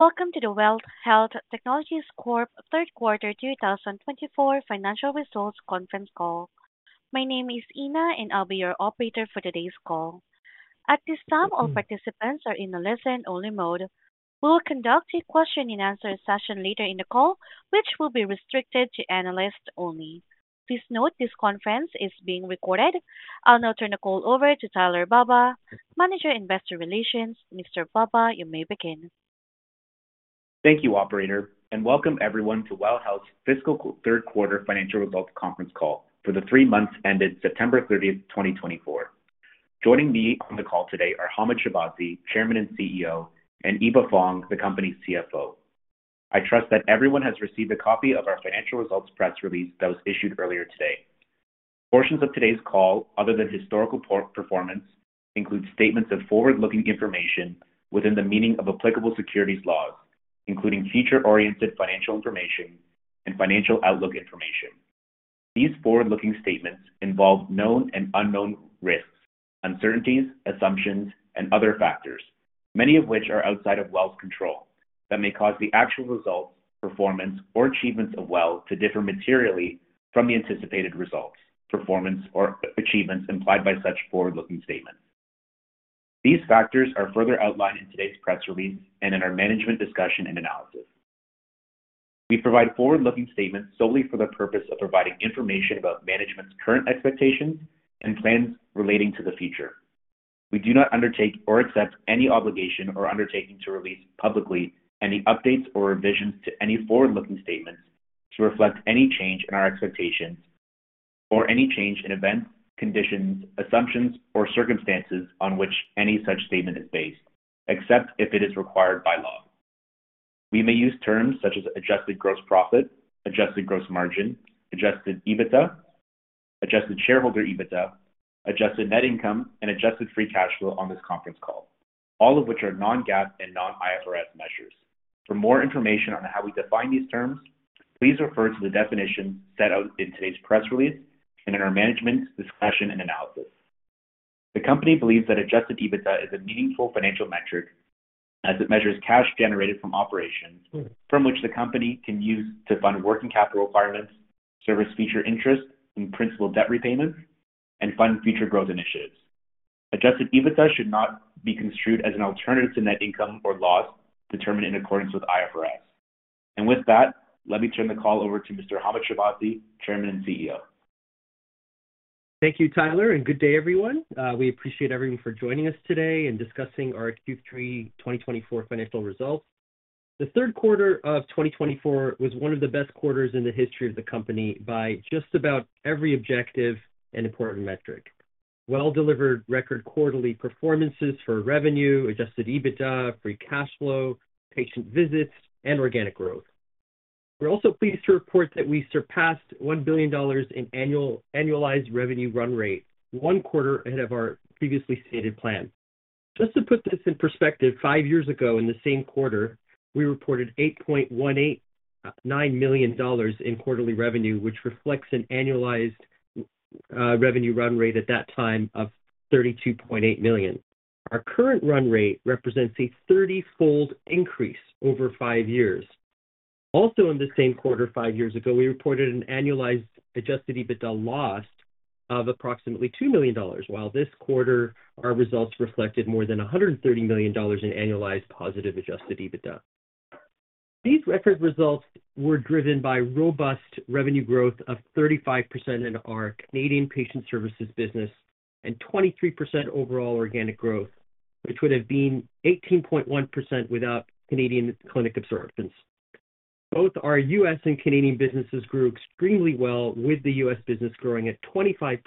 Welcome to the WELL Health Technologies Corp 3Q 2024 Financial Results Conference call. My name is Ina, and I'll be your operator for today's call. At this time, all participants are in the listen-only mode. We will conduct a question-and-answer session later in the call, which will be restricted to analysts only. Please note this conference is being recorded. I'll now turn the call over to Tyler Baba, Manager, Investor Relations. Mr. Baba, you may begin. Thank you, Operator, and welcome everyone to WELL Health's 3Q Financial Results Conference call for the three months ended September 30th, 2024. Joining me on the call today are Hamed Shahbazi, Chairman and CEO, and Eva Fong, the Company's CFO. I trust that everyone has received a copy of our financial results press release that was issued earlier today. Portions of today's call, other than historical performance, include statements of forward-looking information within the meaning of applicable securities laws, including future-oriented financial information and financial outlook information. These forward-looking statements involve known and unknown risks, uncertainties, assumptions, and other factors, many of which are outside of WELL's control, that may cause the actual results, performance, or achievements of WELL to differ materially from the anticipated results, performance, or achievements implied by such forward-looking statements. These factors are further outlined in today's press release and in our management discussion and analysis. We provide forward-looking statements solely for the purpose of providing information about management's current expectations and plans relating to the future. We do not undertake or accept any obligation or undertaking to release publicly any updates or revisions to any forward-looking statements to reflect any change in our expectations or any change in events, conditions, assumptions, or circumstances on which any such statement is based, except if it is required by law. We may use terms such as adjusted gross profit, adjusted gross margin, Adjusted EBITDA, Adjusted shareholder EBITDA, adjusted net income, and adjusted free cash flow on this conference call, all of which are non-GAAP and non-IFRS measures. For more information on how we define these terms, please refer to the definitions set out in today's press release and in our management discussion and analysis. The company believes that Adjusted EBITDA is a meaningful financial metric as it measures cash generated from operations from which the company can use to fund working capital requirements, service the interest and principal debt repayments, and fund future growth initiatives. Adjusted EBITDA should not be construed as an alternative to net income or loss determined in accordance with IFRS. And with that, let me turn the call over to Mr. Hamed Shahbazi, Chairman and CEO. Thank you, Tyler, and good day, everyone. We appreciate everyone for joining us today and discussing our Q3 2024 financial results. The 3Q of 2024 was one of the best quarters in the history of the company by just about every objective and important metric: WELL-delivered record quarterly performances for revenue, Adjusted EBITDA, free cash flow, patient visits, and organic growth. We're also pleased to report that we surpassed 1 billion dollars in annualized revenue run rate, one quarter ahead of our previously stated plan. Just to put this in perspective, five years ago in the same quarter, we reported 8.189 million dollars in quarterly revenue, which reflects an annualized revenue run rate at that time of 32.8 million. Our current run rate represents a 30-fold increase over five years. Also, in the same quarter five years ago, we reported an annualized Adjusted EBITDA loss of approximately 2 million dollars, while this quarter our results reflected more than 130 million dollars in annualized positive Adjusted EBITDA. These record results were driven by robust revenue growth of 35% in our Canadian patient services business and 23% overall organic growth, which would have been 18.1% without Canadian clinic absorptions. Both our U.S. and Canadian businesses grew extremely well, with the U.S. business growing at 25%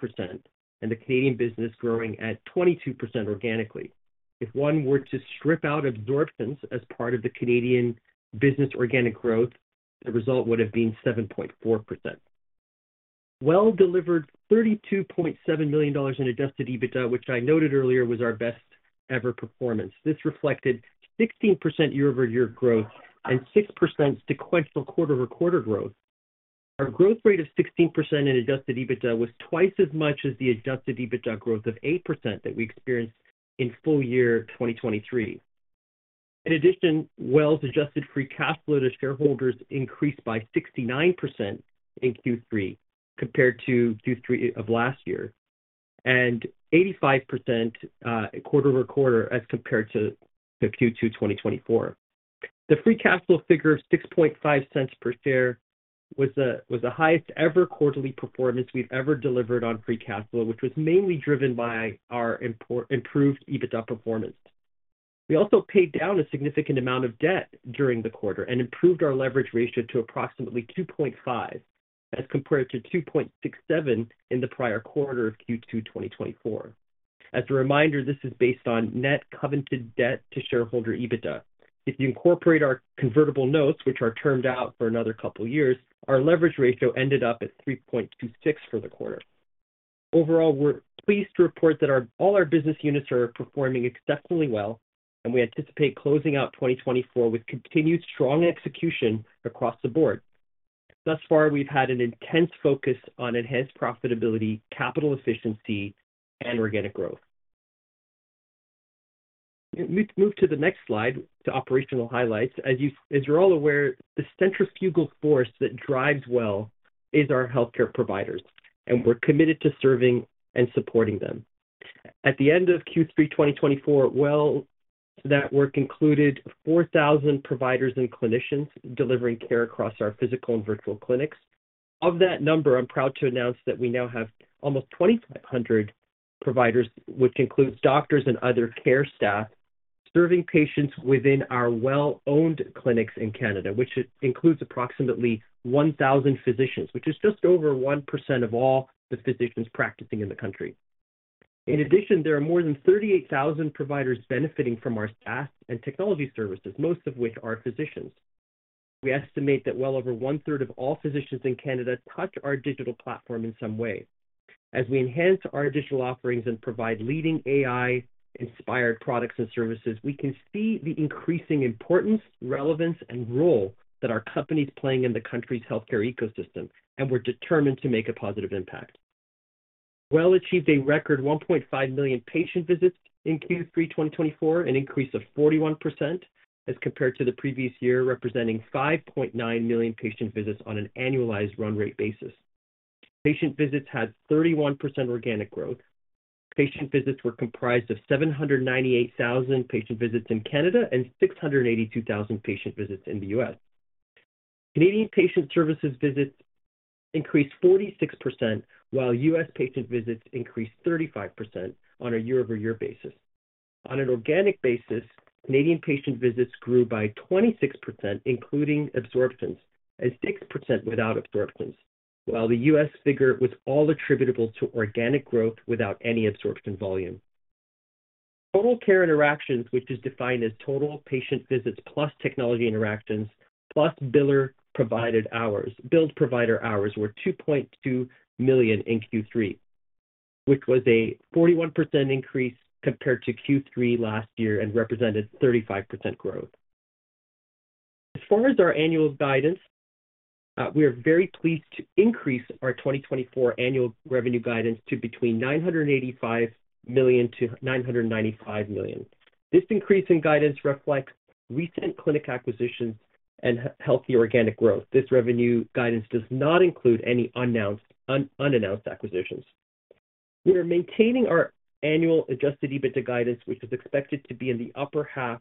and the Canadian business growing at 22% organically. If one were to strip out absorptions as part of the Canadian business organic growth, the result would have been 7.4%. WELL delivered 32.7 million dollars in Adjusted EBITDA, which I noted earlier was our best-ever performance. This reflected 16% year-over-year growth and 6% sequential quarter-over-quarter growth. Our growth rate of 16% in adjusted EBITDA was twice as much as the Adjusted EBITDA growth of 8% that we experienced in full year 2023. In addition, WELL's adjusted free cash flow to shareholders increased by 69% in Q3 compared to Q3 of last year and 85% quarter-over-quarter as compared to Q2 2024. The free cash flow figure of 0.065 per share was the highest-ever quarterly performance we've ever delivered on free cash flow, which was mainly driven by our improved EBITDA performance. We also paid down a significant amount of debt during the quarter and improved our leverage ratio to approximately 2.5 as compared to 2.67 in the prior quarter of Q2 2024. As a reminder, this is based on net covenant debt to shareholder EBITDA. If you incorporate our convertible notes, which are termed out for another couple of years, our leverage ratio ended up at 3.26 for the quarter. Overall, we're pleased to report that all our business units are performing exceptionally well, and we anticipate closing out 2024 with continued strong execution across the board. Thus far, we've had an intense focus on enhanced profitability, capital efficiency, and organic growth. Move to the next slide, to operational highlights. As you're all aware, the centrifugal force that drives WELL is our healthcare providers, and we're committed to serving and supporting them. At the end of Q3 2024, WELL's network included 4,000 providers and clinicians delivering care across our physical and virtual clinics. Of that number, I'm proud to announce that we now have almost 2,500 providers, which includes doctors and other care staff, serving patients within our WELL-owned clinics in Canada, which includes approximately 1,000 physicians, which is just over 1% of all the physicians practicing in the country. In addition, there are more than 38,000 providers benefiting from our SaaS and technology services, most of which are physicians. We estimate that well over one-third of all physicians in Canada touch our digital platform in some way. As we enhance our digital offerings and provide leading AI-inspired products and services, we can see the increasing importance, relevance, and role that our company is playing in the country's healthcare ecosystem, and we're determined to make a positive impact. WELL achieved a record 1.5 million patient visits in Q3 2024, an increase of 41% as compared to the previous year, representing 5.9 million patient visits on an annualized run rate basis. Patient visits had 31% organic growth. Patient visits were comprised of 798,000 patient visits in Canada and 682,000 patient visits in the U.S. Canadian patient services visits increased 46%, while U.S. patient visits increased 35% on a year-over-year basis. On an organic basis, Canadian patient visits grew by 26%, including absorptions, and 6% without absorptions, while the U.S. figure was all attributable to organic growth without any absorption volume. Total care interactions, which is defined as total patient visits plus technology interactions plus billed provider hours, were 2.2 million in Q3, which was a 41% increase compared to Q3 last year and represented 35% growth. As far as our annual guidance, we are very pleased to increase our 2024 annual revenue guidance to between 985 million-995 million. This increase in guidance reflects recent clinic acquisitions and healthy organic growth. This revenue guidance does not include any unannounced acquisitions. We are maintaining our annual Adjusted EBITDA guidance, which was expected to be in the upper half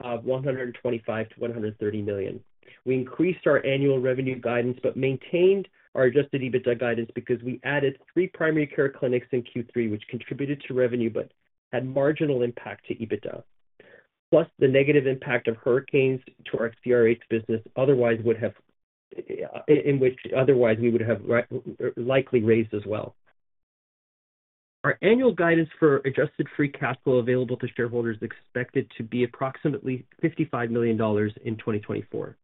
of 125 million-130 million. We increased our annual revenue guidance but maintained our Adjusted EBITDA guidance because we added three primary care clinics in Q3, which contributed to revenue but had marginal impact to EBITDA, plus the negative impact of hurricanes to our CRH business, otherwise we would have likely raised as well. Our annual guidance for adjusted free cash flow available to shareholders is expected to be approximately 55 million dollars in 2024.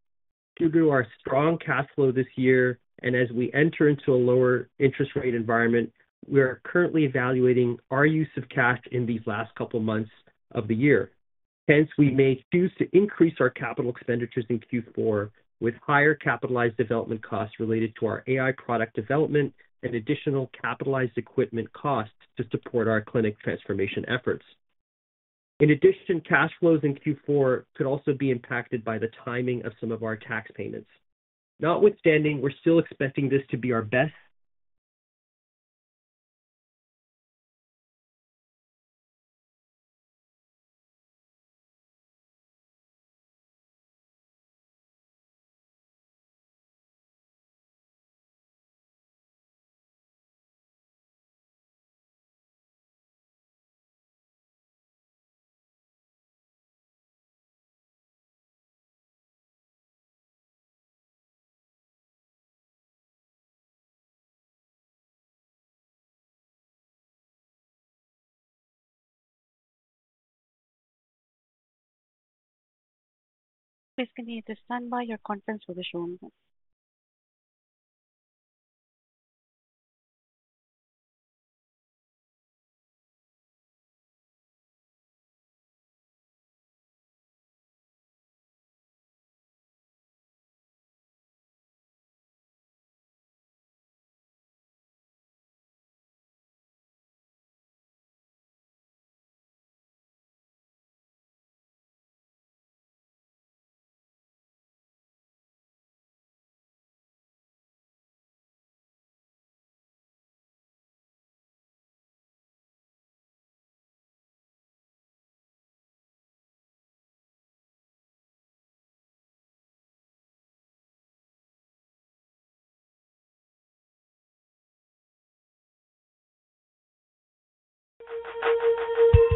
Due to our strong cash flow this year and as we enter into a lower interest rate environment, we are currently evaluating our use of cash in these last couple of months of the year. Hence, we may choose to increase our capital expenditures in Q4 with higher capitalized development costs related to our AI product development and additional capitalized equipment costs to support our clinic transformation efforts. In addition, cash flows in Q4 could also be impacted by the timing of some of our tax payments. Notwithstanding, we're still expecting this to be our best. Please continue to stand by your conference position. Plan,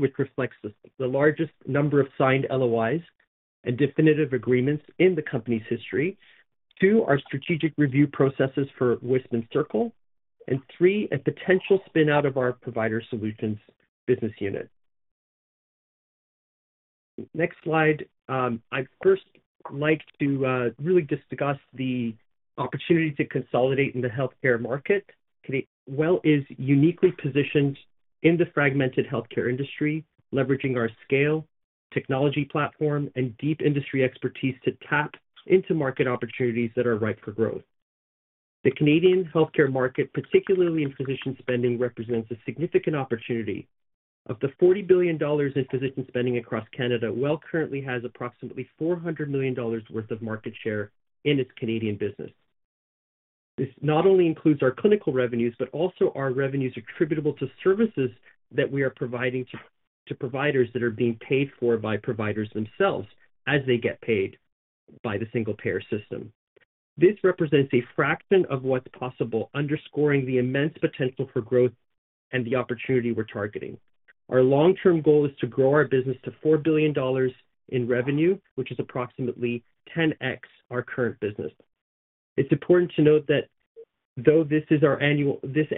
which reflects the largest number of signed LOIs and definitive agreements in the company's history. Two, our strategic review processes for Wisp and Circle. And three, a potential spin-out of our provider solutions business unit. Next slide. I'd first like to really discuss the opportunity to consolidate in the healthcare market. WELL is uniquely positioned in the fragmented healthcare industry, leveraging our scale, technology platform, and deep industry expertise to tap into market opportunities that are ripe for growth. The Canadian healthcare market, particularly in physician spending, represents a significant opportunity. Of the 40 billion dollars in physician spending across Canada, WELL currently has approximately 400 million dollars worth of market share in its Canadian business. This not only includes our clinical revenues, but also our revenues attributable to services that we are providing to providers that are being paid for by providers themselves as they get paid by the single payer system. This represents a fraction of what's possible, underscoring the immense potential for growth and the opportunity we're targeting. Our long-term goal is to grow our business to $4 billion in revenue, which is approximately 10x our current business. It's important to note that though this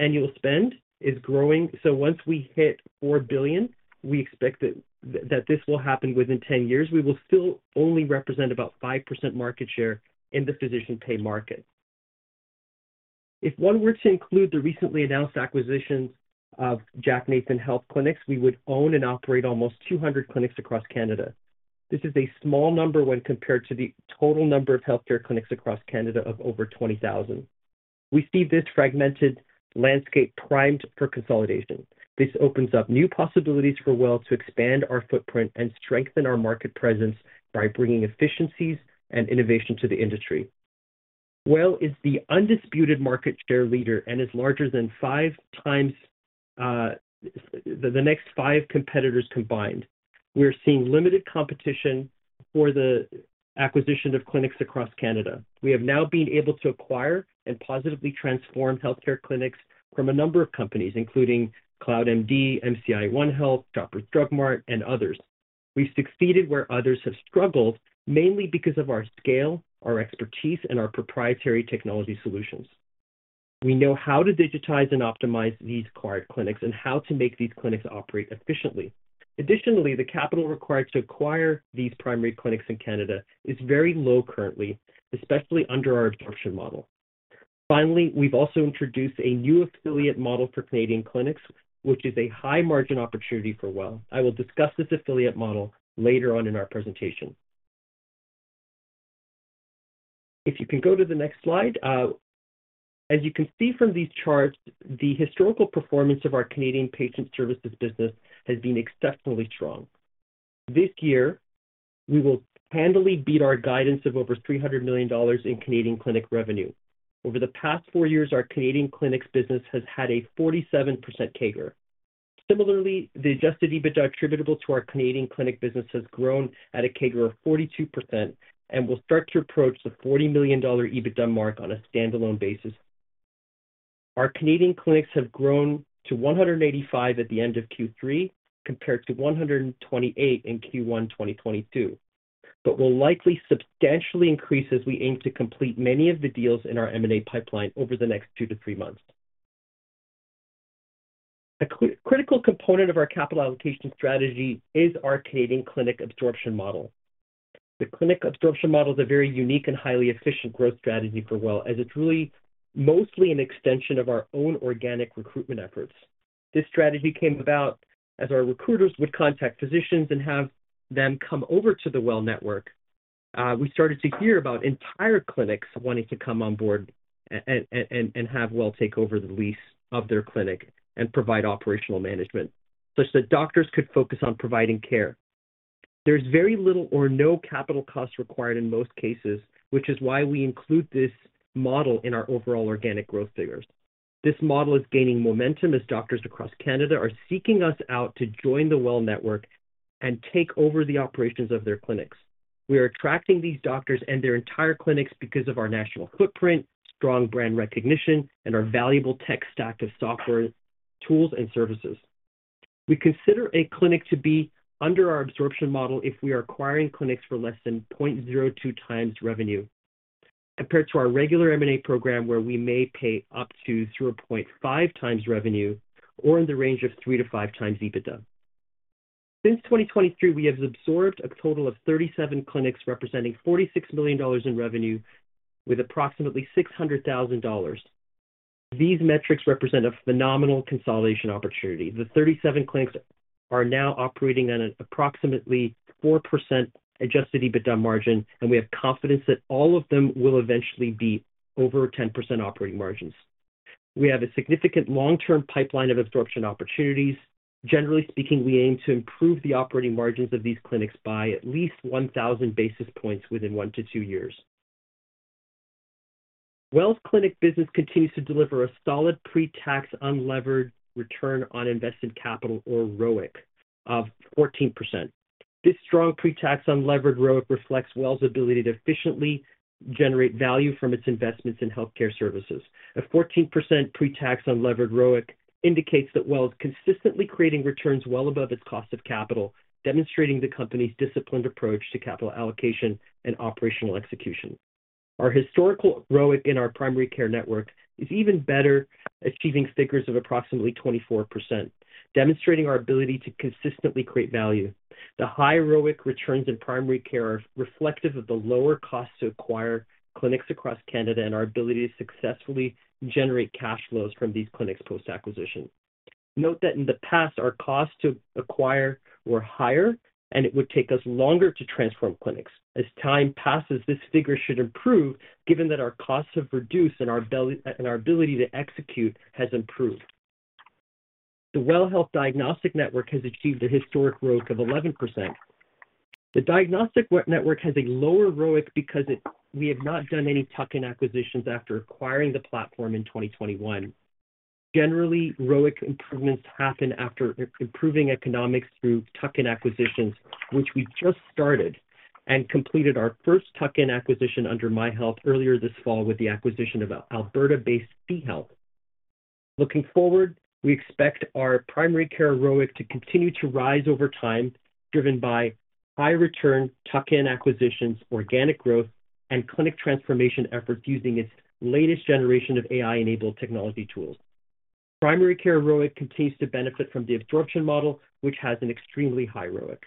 annual spend is growing, so once we hit $4 billion, we expect that this will happen within 10 years, we will still only represent about 5% market share in the physician pay market. If one were to include the recently announced acquisitions of Jack Nathan Health Clinics, we would own and operate almost 200 clinics across Canada. This is a small number when compared to the total number of healthcare clinics across Canada of over 20,000. We see this fragmented landscape primed for consolidation. This opens up new possibilities for WELL to expand our footprint and strengthen our market presence by bringing efficiencies and innovation to the industry. WELL is the undisputed market share leader and is larger than five times the next five competitors combined. We're seeing limited competition for the acquisition of clinics across Canada. We have now been able to acquire and positively transform healthcare clinics from a number of companies, including CloudMD, MCI OneHealth, Shoppers Drug Mart, and others. We've succeeded where others have struggled, mainly because of our scale, our expertise, and our proprietary technology solutions. We know how to digitize and optimize these acquired clinics and how to make these clinics operate efficiently. Additionally, the capital required to acquire these primary clinics in Canada is very low currently, especially under our absorption model. Finally, we've also introduced a new affiliate model for Canadian clinics, which is a high-margin opportunity for WELL. I will discuss this affiliate model later on in our presentation. If you can go to the next slide. As you can see from these charts, the historical performance of our Canadian patient services business has been exceptionally strong. This year, we will handily beat our guidance of over 300 million dollars in Canadian clinic revenue. Over the past four years, our Canadian clinics business has had a 47% CAGR. Similarly, the Adjusted EBITDA attributable to our Canadian clinic business has grown at a CAGR of 42% and will start to approach the 40 million dollar EBITDA mark on a standalone basis. Our Canadian clinics have grown to 185 at the end of Q3 compared to 128 in Q1 2022, but will likely substantially increase as we aim to complete many of the deals in our M&A pipeline over the next two to three months. A critical component of our capital allocation strategy is our Canadian clinic absorption model. The clinic absorption model is a very unique and highly efficient growth strategy for WELL, as it's really mostly an extension of our own organic recruitment efforts. This strategy came about as our recruiters would contact physicians and have them come over to the WELL network. We started to hear about entire clinics wanting to come on board and have WELL take over the lease of their clinic and provide operational management, such that doctors could focus on providing care. There's very little or no capital cost required in most cases, which is why we include this model in our overall organic growth figures. This model is gaining momentum as doctors across Canada are seeking us out to join the WELL network and take over the operations of their clinics. We are attracting these doctors and their entire clinics because of our national footprint, strong brand recognition, and our valuable tech stack of software tools and services. We consider a clinic to be under our absorption model if we are acquiring clinics for less than 0.02 times revenue, compared to our regular M&A program, where we may pay up to 0.5 times revenue or in the range of three to five times EBITDA. Since 2023, we have absorbed a total of 37 clinics representing 46 million dollars in revenue with approximately 600,000 dollars. These metrics represent a phenomenal consolidation opportunity. The 37 clinics are now operating at an approximately 4% Adjusted EBITDA margin, and we have confidence that all of them will eventually be over 10% operating margins. We have a significant long-term pipeline of absorption opportunities. Generally speaking, we aim to improve the operating margins of these clinics by at least 1,000 basis points within one to two years. WELL's clinic business continues to deliver a solid pre-tax unlevered return on invested capital, or ROIC, of 14%. This strong pre-tax unlevered ROIC reflects WELL's ability to efficiently generate value from its investments in healthcare services. A 14% pre-tax unlevered ROIC indicates that WELL is consistently creating returns well above its cost of capital, demonstrating the company's disciplined approach to capital allocation and operational execution. Our historical ROIC in our primary care network is even better, achieving figures of approximately 24%, demonstrating our ability to consistently create value. The high ROIC returns in primary care are reflective of the lower costs to acquire clinics across Canada and our ability to successfully generate cash flows from these clinics post-acquisition. Note that in the past, our costs to acquire were higher, and it would take us longer to transform clinics. As time passes, this figure should improve, given that our costs have reduced and our ability to execute has improved. The WELL Health Diagnostic Network has achieved a historic ROIC of 11%. The Diagnostic Network has a lower ROIC because we have not done any tuck-in acquisitions after acquiring the platform in 2021. Generally, ROIC improvements happen after improving economics through tuck-in acquisitions, which we just started and completed our first tuck-in acquisition under MyHealth earlier this fall with the acquisition of Alberta-based C-Health. Looking forward, we expect our primary care ROIC to continue to rise over time, driven by high-return tuck-in acquisitions, organic growth, and clinic transformation efforts using its latest generation of AI-enabled technology tools. Our primary care ROIC continues to benefit from the absorption model, which has an extremely high ROIC.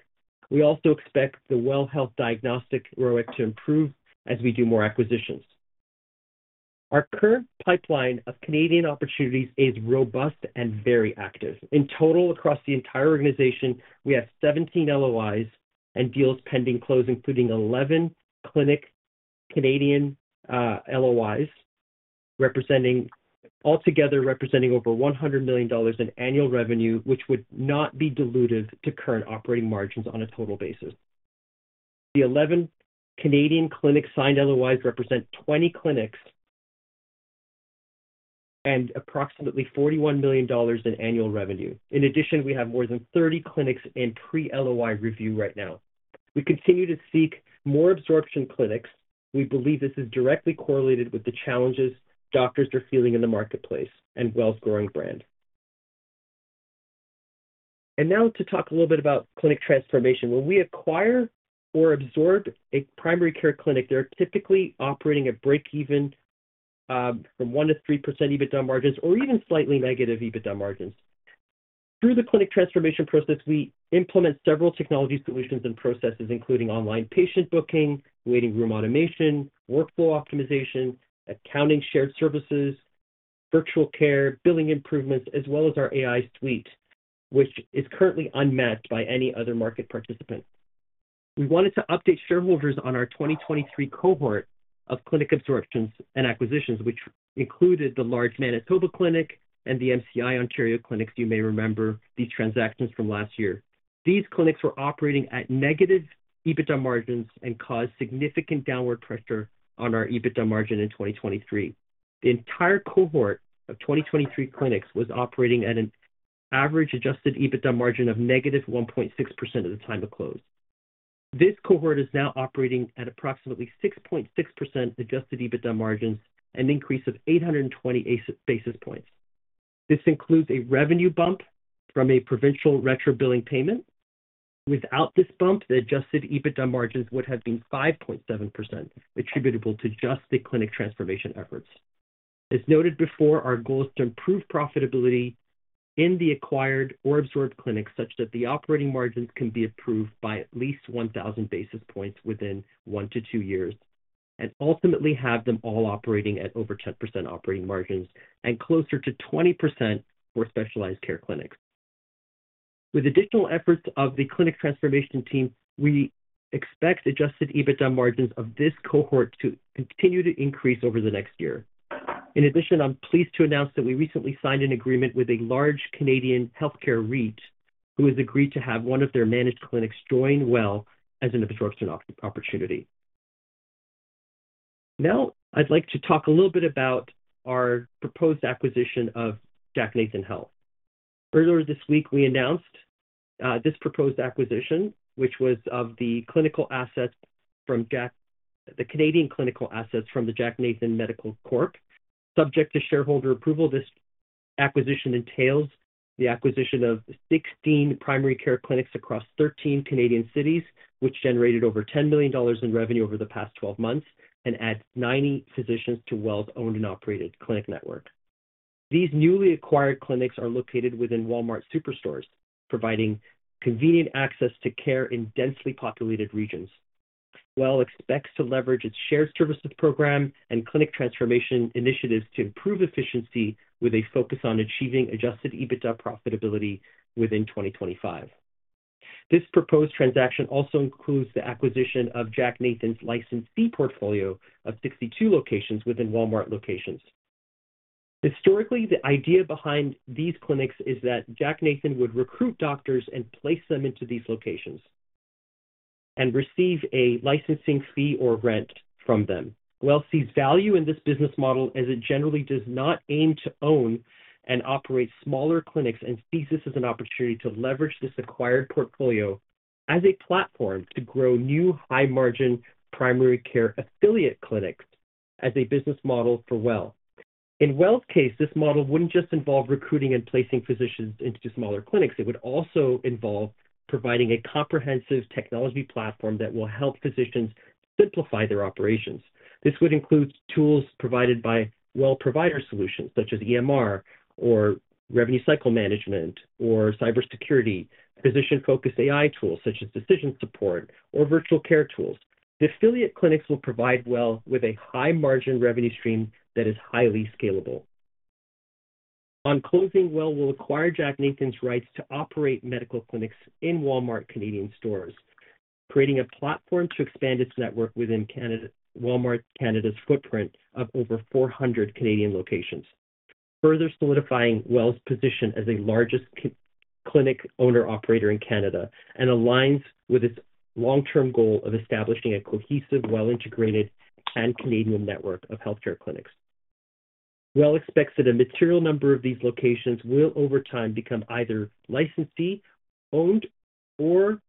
We also expect the WELL Health Diagnostic ROIC to improve as we do more acquisitions. Our current pipeline of Canadian opportunities is robust and very active. In total, across the entire organization, we have 17 LOIs and deals pending close, including 11 clinic Canadian LOIs, altogether representing over 100 million dollars in annual revenue, which would not be dilutive to current operating margins on a total basis. The 11 Canadian clinic-signed LOIs represent 20 clinics and approximately 41 million dollars in annual revenue. In addition, we have more than 30 clinics in pre-LOI review right now. We continue to seek more absorption clinics. We believe this is directly correlated with the challenges doctors are feeling in the marketplace and WELL's growing brand. Now to talk a little bit about clinic transformation. When we acquire or absorb a primary care clinic, they're typically operating at break-even from one to three% EBITDA margins or even slightly negative EBITDA margins. Through the clinic transformation process, we implement several technology solutions and processes, including online patient booking, waiting room automation, workflow optimization, accounting shared services, virtual care, billing improvements, as well as our AI suite, which is currently unmatched by any other market participant. We wanted to update shareholders on our 2023 cohort of clinic absorptions and acquisitions, which included the large Manitoba clinic and the MCI Ontario clinics. You may remember these transactions from last year. These clinics were operating at negative EBITDA margins and caused significant downward pressure on our EBITDA margin in 2023. The entire cohort of 2023 clinics was operating at an average Adjusted EBITDA margin of negative 1.6% at the time of close. This cohort is now operating at approximately 6.6% Adjusted EBITDA margins, an increase of 820 basis points. This includes a revenue bump from a provincial retro-billing payment. Without this bump, the Adjusted EBITDA margins would have been 5.7%, attributable to just the clinic transformation efforts. As noted before, our goal is to improve profitability in the acquired or absorbed clinics such that the operating margins can be improved by at least 1,000 basis points within one-to-two years, and ultimately have them all operating at over 10% operating margins and closer to 20% for specialized care clinics. With additional efforts of the clinic transformation team, we expect Adjusted EBITDA margins of this cohort to continue to increase over the next year. In addition, I'm pleased to announce that we recently signed an agreement with a large Canadian healthcare REIT, who has agreed to have one of their managed clinics join WELL as an absorption opportunity. Now, I'd like to talk a little bit about our proposed acquisition of Jack Nathan Health. Earlier this week, we announced this proposed acquisition, which was of the Canadian clinical assets from the Jack Nathan Medical Corp. Subject to shareholder approval, this acquisition entails the acquisition of 16 primary care clinics across 13 Canadian cities, which generated over 10 million dollars in revenue over the past 12 months and adds 90 physicians to WELL's owned and operated clinic network. These newly acquired clinics are located within Walmart superstores, providing convenient access to care in densely populated regions. WELL expects to leverage its shared services program and clinic transformation initiatives to improve efficiency with a focus on achieving Adjusted EBITDA profitability within 2025. This proposed transaction also includes the acquisition of Jack Nathan's licensee portfolio of 62 locations within Walmart locations. Historically, the idea behind these clinics is that Jack Nathan would recruit doctors and place them into these locations and receive a licensing fee or rent from them. WELL sees value in this business model as it generally does not aim to own and operate smaller clinics and sees this as an opportunity to leverage this acquired portfolio as a platform to grow new high-margin primary care affiliate clinics as a business model for WELL. In WELL's case, this model wouldn't just involve recruiting and placing physicians into smaller clinics. It would also involve providing a comprehensive technology platform that will help physicians simplify their operations. This would include tools provided by WELL Provider Solutions, such as EMR or revenue cycle management or cybersecurity, physician-focused AI tools, such as decision support, or virtual care tools. The affiliate clinics will provide WELL with a high-margin revenue stream that is highly scalable. On closing, WELL will acquire Jack Nathan Health's rights to operate medical clinics in Walmart Canada stores, creating a platform to expand its network within Walmart Canada's footprint of over 400 Canadian locations, further solidifying WELL's position as the largest clinic owner-operator in Canada and aligns with its long-term goal of establishing a cohesive, well-integrated, and Canadian network of healthcare clinics. WELL expects that a material number of these locations will, over time, become either licensed, owned, or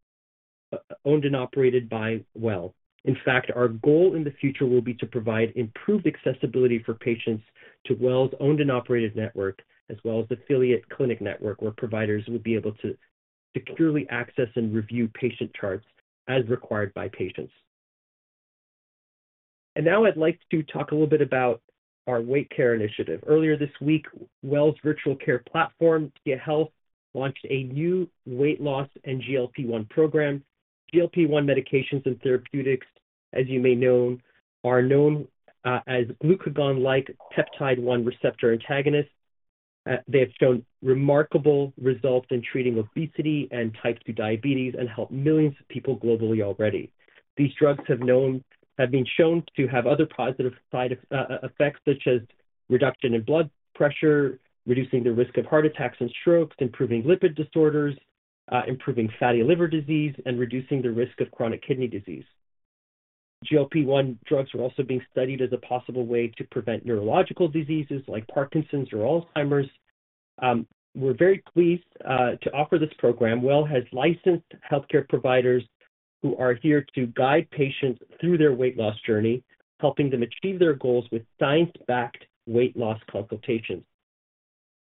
owned and operated by WELL. In fact, our goal in the future will be to provide improved accessibility for patients to WELL's owned and operated network, as well as the affiliate clinic network, where providers will be able to securely access and review patient charts as required by patients. Now I'd like to talk a little bit about our weight care initiative. Earlier this week, WELL's virtual care platform, Tia Health, launched a new weight loss and GLP-1 program. GLP-1 medications and therapeutics, as you may know, are known as glucagon-like peptide-1 receptor antagonists. They have shown remarkable results in treating obesity and Type 2 diabetes and help millions of people globally already. These drugs have been shown to have other positive side effects, such as reduction in blood pressure, reducing the risk of heart attacks and strokes, improving lipid disorders, improving fatty liver disease, and reducing the risk of chronic kidney disease. GLP-1 drugs are also being studied as a possible way to prevent neurological diseases like Parkinson's or Alzheimer's. We're very pleased to offer this program. WELL has licensed healthcare providers who are here to guide patients through their weight loss journey, helping them achieve their goals with science-backed weight loss consultations.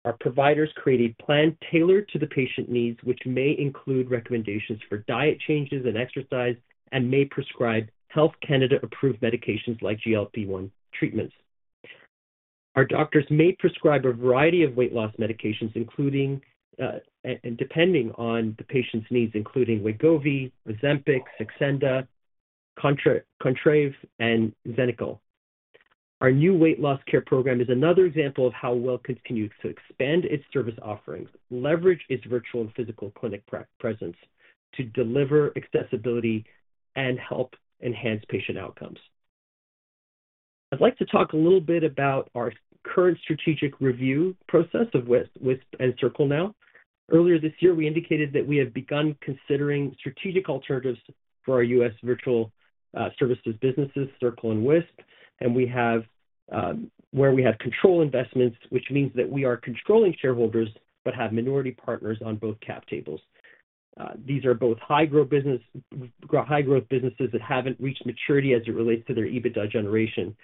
Our providers create a plan tailored to the patient needs, which may include recommendations for diet changes and exercise and may prescribe Health Canada-approved medications like GLP-1 treatments. Our doctors may prescribe a variety of weight loss medications, depending on the patient's needs, including Wegovy, Ozempic, Saxenda, Contrave, and Xenical. Our new weight loss care program is another example of how WELL continues to expand its service offerings, leverage its virtual and physical clinic presence to deliver accessibility and help enhance patient outcomes. I'd like to talk a little bit about our current strategic review process of Wisp and Circle, now. Earlier this year, we indicated that we have begun considering strategic alternatives for our U.S. virtual services businesses, Circle and Wisp, and where we have control investments, which means that we are controlling shareholders but have minority partners on both cap tables. These are both high-growth businesses that haven't reached maturity as it relates to their EBITDA generation,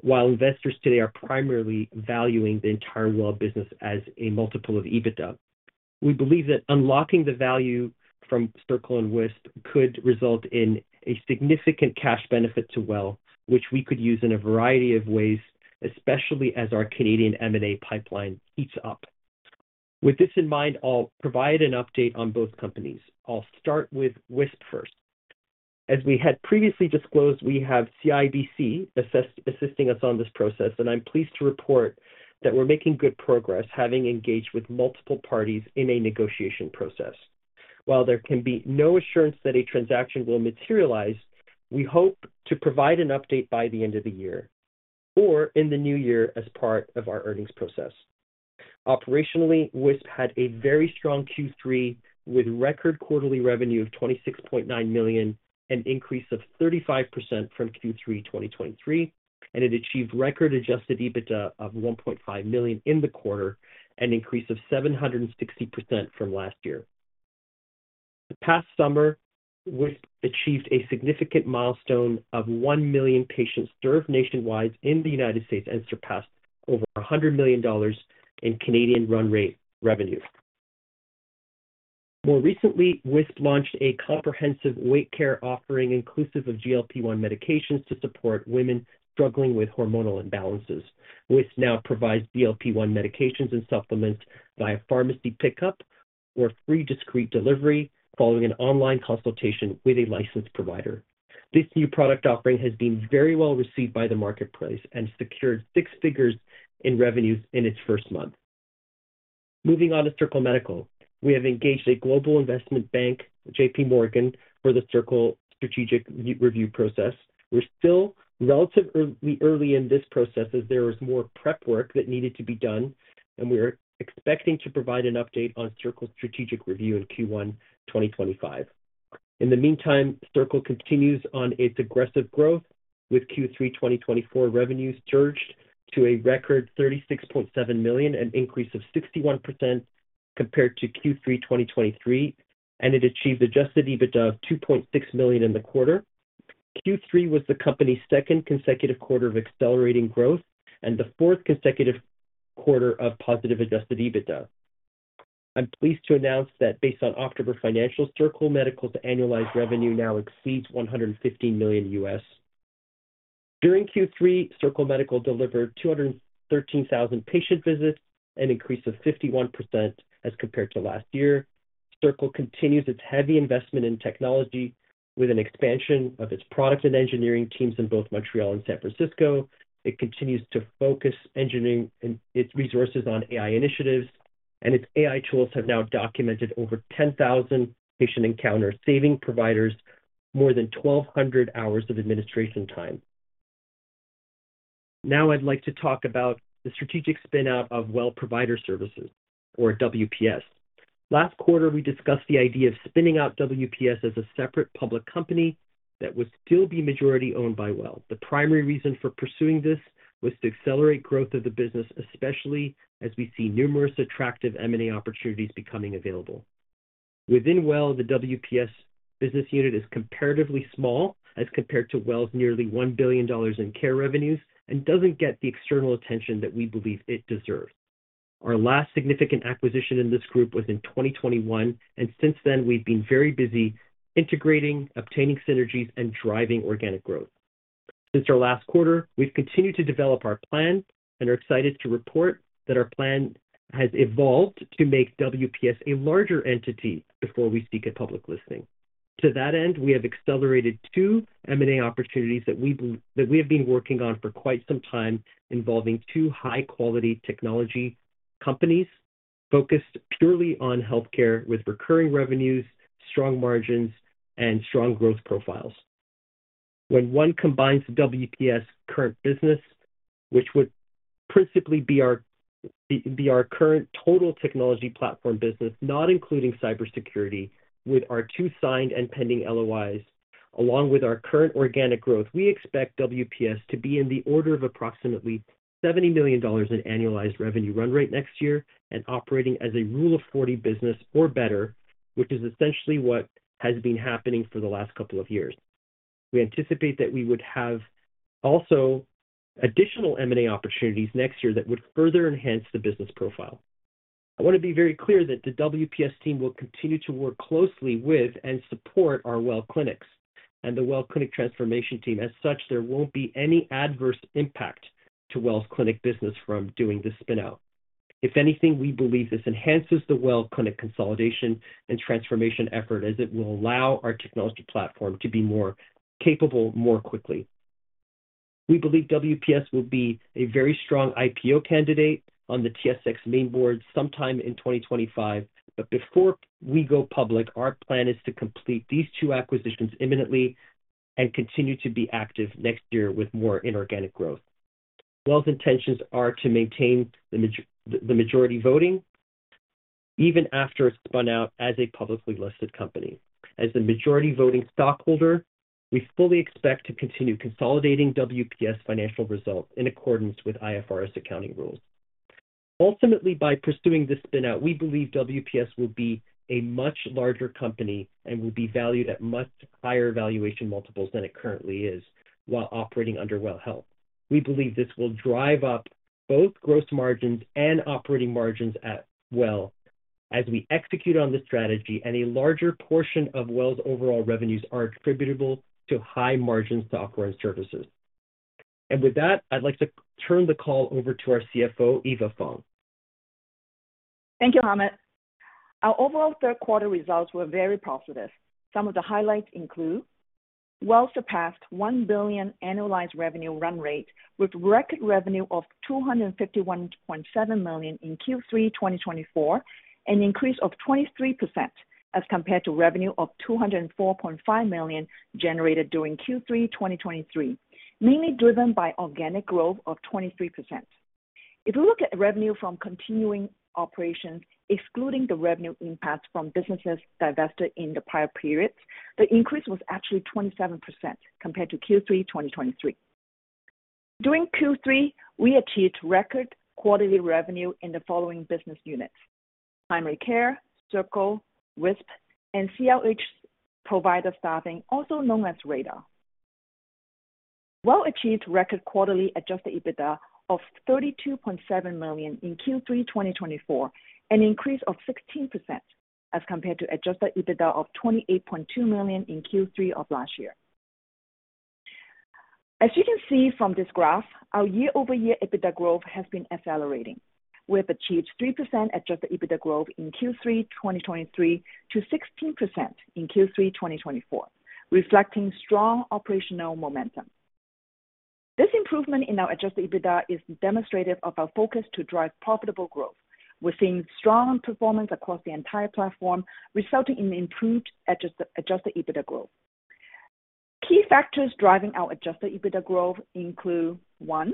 while investors today are primarily valuing the entire WELL business as a multiple of EBITDA. We believe that unlocking the value from Circle and Wisp could result in a significant cash benefit to WELL, which we could use in a variety of ways, especially as our Canadian M&A pipeline heats up. With this in mind, I'll provide an update on both companies. I'll start with Wisp first. As we had previously disclosed, we have CIBC assisting us on this process, and I'm pleased to report that we're making good progress, having engaged with multiple parties in a negotiation process. While there can be no assurance that a transaction will materialize, we hope to provide an update by the end of the year or in the new year as part of our earnings process. Operationally, Wisp had a very strong Q3 with record quarterly revenue of $26.9 million and an increase of 35% from Q3 2023, and it achieved record Adjusted EBITDA of $1.5 million in the quarter and an increase of 760% from last year. The past summer, Wisp achieved a significant milestone of one million patients served nationwide in the United States and surpassed over $100 million in Canadian run rate revenue. More recently, Wisp launched a comprehensive weight care offering inclusive of GLP-1 medications to support women struggling with hormonal imbalances. Wisp now provides GLP-1 medications and supplements via pharmacy pickup or free discreet delivery following an online consultation with a licensed provider. This new product offering has been very well received by the marketplace and secured six figures in revenues in its first month. Moving on to Circle Medical, we have engaged a global investment bank, JP Morgan, for the Circle strategic review process. We're still relatively early in this process as there is more prep work that needed to be done, and we are expecting to provide an update on Circle's strategic review in Q1 2025. In the meantime, Circle continues on its aggressive growth with Q3 2024 revenues surged to a record $36.7 million, an increase of 61% compared to Q3 2023, and it achieved Adjusted EBITDA of $2.6 million in the quarter. Q3 was the company's second consecutive quarter of accelerating growth and the fourth consecutive quarter of positive Adjusted EBITDA. I'm pleased to announce that based on October financials, Circle Medical's annualized revenue now exceeds $115 million US. During Q3, Circle Medical delivered 213,000 patient visits, an increase of 51% as compared to last year. Circle continues its heavy investment in technology with an expansion of its product and engineering teams in both Montreal and San Francisco. It continues to focus its resources on AI initiatives, and its AI tools have now documented over 10,000 patient encounters, saving providers more than 1,200 hours of administration time. Now, I'd like to talk about the strategic spinout of WELL Provider Solutions, or WPS. Last quarter, we discussed the idea of spinning out WPS as a separate public company that would still be majority owned by WELL. The primary reason for pursuing this was to accelerate growth of the business, especially as we see numerous attractive M&A opportunities becoming available. Within WELL, the WPS business unit is comparatively small as compared to WELL's nearly $1 billion in care revenues and doesn't get the external attention that we believe it deserves. Our last significant acquisition in this group was in 2021, and since then, we've been very busy integrating, obtaining synergies, and driving organic growth. Since our last quarter, we've continued to develop our plan and are excited to report that our plan has evolved to make WPS a larger entity before we seek a public listing. To that end, we have accelerated two M&A opportunities that we have been working on for quite some time, involving two high-quality technology companies focused purely on healthcare with recurring revenues, strong margins, and strong growth profiles. When one combines WPS' current business, which would principally be our current total technology platform business, not including cybersecurity, with our two signed and pending LOIs, along with our current organic growth, we expect WPS to be in the order of approximately 70 million dollars in annualized revenue run rate next year and operating as a rule of 40 business or better, which is essentially what has been happening for the last couple of years. We anticipate that we would have also additional M&A opportunities next year that would further enhance the business profile. I want to be very clear that the WPS team will continue to work closely with and support our WELL clinics and the WELL clinic transformation team. As such, there won't be any adverse impact to WELL's clinic business from doing this spinout. If anything, we believe this enhances the WELL clinic consolidation and transformation effort, as it will allow our technology platform to be more capable more quickly. We believe WPS will be a very strong IPO candidate on the TSX mainboard sometime in 2025, but before we go public, our plan is to complete these two acquisitions imminently and continue to be active next year with more inorganic growth. WELL's intentions are to maintain the majority voting even after it's spun out as a publicly listed company. As the majority voting stockholder, we fully expect to continue consolidating WPS financial results in accordance with IFRS accounting rules. Ultimately, by pursuing this spinout, we believe WPS will be a much larger company and will be valued at much higher valuation multiples than it currently is while operating under WELL Health. We believe this will drive up both gross margins and operating margins at WELL as we execute on this strategy, and a larger portion of WELL's overall revenues are attributable to high margins to operating services. And with that, I'd like to turn the call over to our CFO, Eva Fong. Thank you, Hamed. Our overall third-quarter results were very positive. Some of the highlights include WELL surpassed 1 billion annualized revenue run rate with record revenue of 251.7 million in Q3 2024, an increase of 23% as compared to revenue of 204.5 million generated during Q3 2023, mainly driven by organic growth of 23%. If we look at revenue from continuing operations, excluding the revenue impacts from businesses divested in the prior periods, the increase was actually 27% compared to Q3 2023. During Q3, we achieved record quarterly revenue in the following business units: primary care, Circle, WISP, and WELL provider staffing, also known as Radar. WELL achieved record quarterly Adjusted EBITDA of 32.7 million in Q3 2024, an increase of 16% as compared to Adjusted EBITDA of 28.2 million in Q3 of last year. As you can see from this graph, our year-over-year EBITDA growth has been accelerating. We have achieved 3% Adjusted EBITDA growth in Q3 2023 to 16% in Q3 2024, reflecting strong operational momentum. This improvement in our Adjusted EBITDA is demonstrative of our focus to drive profitable growth. We're seeing strong performance across the entire platform, resulting in improved Adjusted EBITDA growth. Key factors driving our Adjusted EBITDA growth include: one,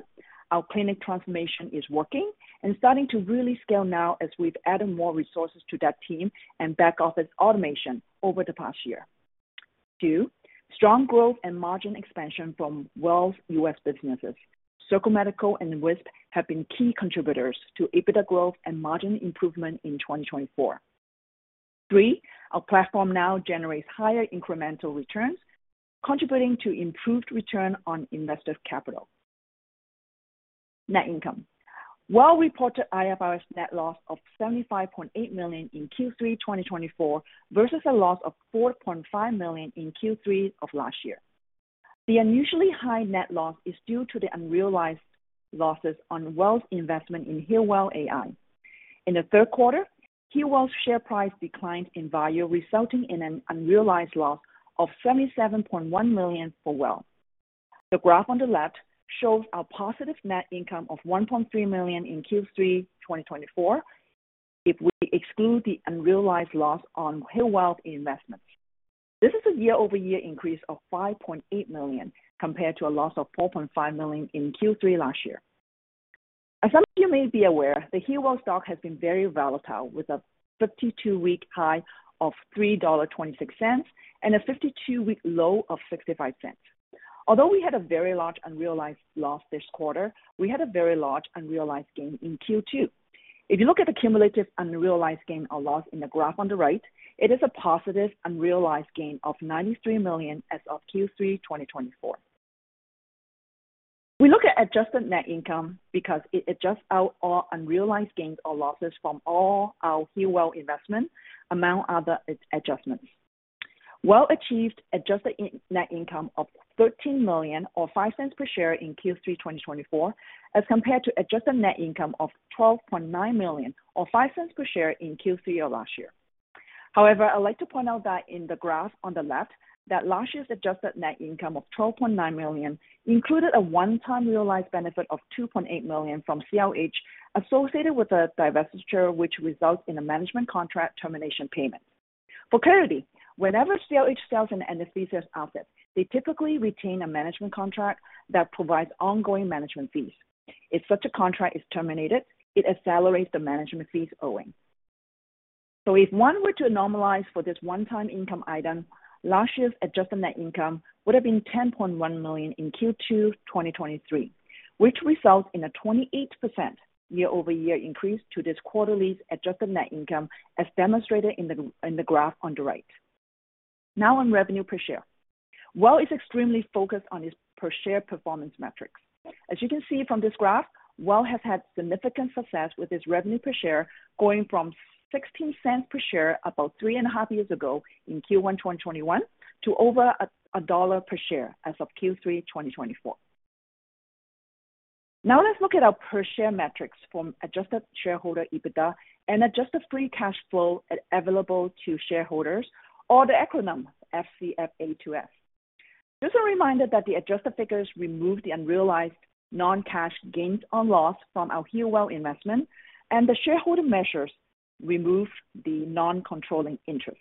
our clinic transformation is working and starting to really scale now as we've added more resources to that team and backed off its automation over the past year. Two, strong growth and margin expansion from WELL's U.S. businesses. Circle Medical and Wisp have been key contributors to EBITDA growth and margin improvement in 2024. Three, our platform now generates higher incremental returns, contributing to improved return on invested capital. Net income: WELL reported IFRS net loss of 75.8 million in Q3 2024 versus a loss of 4.5 million in Q3 of last year. The unusually high net loss is due to the unrealized losses on WELL's investment in HEALWELL AI. In the third quarter, HEALWELL's share price declined in value, resulting in an unrealized loss of 77.1 million for WELL. The graph on the left shows our positive net income of $1.3 million in Q3 2024 if we exclude the unrealized loss on HEALWELL investments. This is a year-over-year increase of $5.8 million compared to a loss of $4.5 million in Q3 last year. As some of you may be aware, the HEALWELL stock has been very volatile, with a 52-week high of $3.26 and a 52-week low of $0.65. Although we had a very large unrealized loss this quarter, we had a very large unrealized gain in Q2. If you look at the cumulative unrealized gain or loss in the graph on the right, it is a positive unrealized gain of $93 million as of Q3 2024. We look at adjusted net income because it adjusts out all unrealized gains or losses from all our HEALWELL investments among other adjustments. WELL achieved adjusted net income of 13.05 per share in Q3 2024 as compared to adjusted net income of 12.9 million or 0.05 per share in Q3 of last year. However, I'd like to point out that in the graph on the left, that last year's adjusted net income of 12.9 million included a one-time realized benefit of 2.8 million from CRH associated with a divestiture, which results in a management contract termination payment. For clarity, whenever CRH sells an anesthesia asset, they typically retain a management contract that provides ongoing management fees. If such a contract is terminated, it accelerates the management fees owing. So if one were to normalize for this one-time income item, last year's adjusted net income would have been 10.1 million in Q2 2023, which results in a 28% year-over-year increase to this quarterly adjusted net income as demonstrated in the graph on the right. Now, on revenue per share, WELL is extremely focused on its per-share performance metrics. As you can see from this graph, WELL has had significant success with its revenue per share going from 0.16 per share about three and a half years ago in Q1 2021 to over CAD 1 per share as of Q3 2024. Now, let's look at our per-share metrics from adjusted shareholder EBITDA and adjusted free cash flow available to shareholders, or the acronym FCFA2S. This is a reminder that the adjusted figures remove the unrealized non-cash gains or loss from our HEALWELL investment, and the shareholder measures remove the non-controlling interest.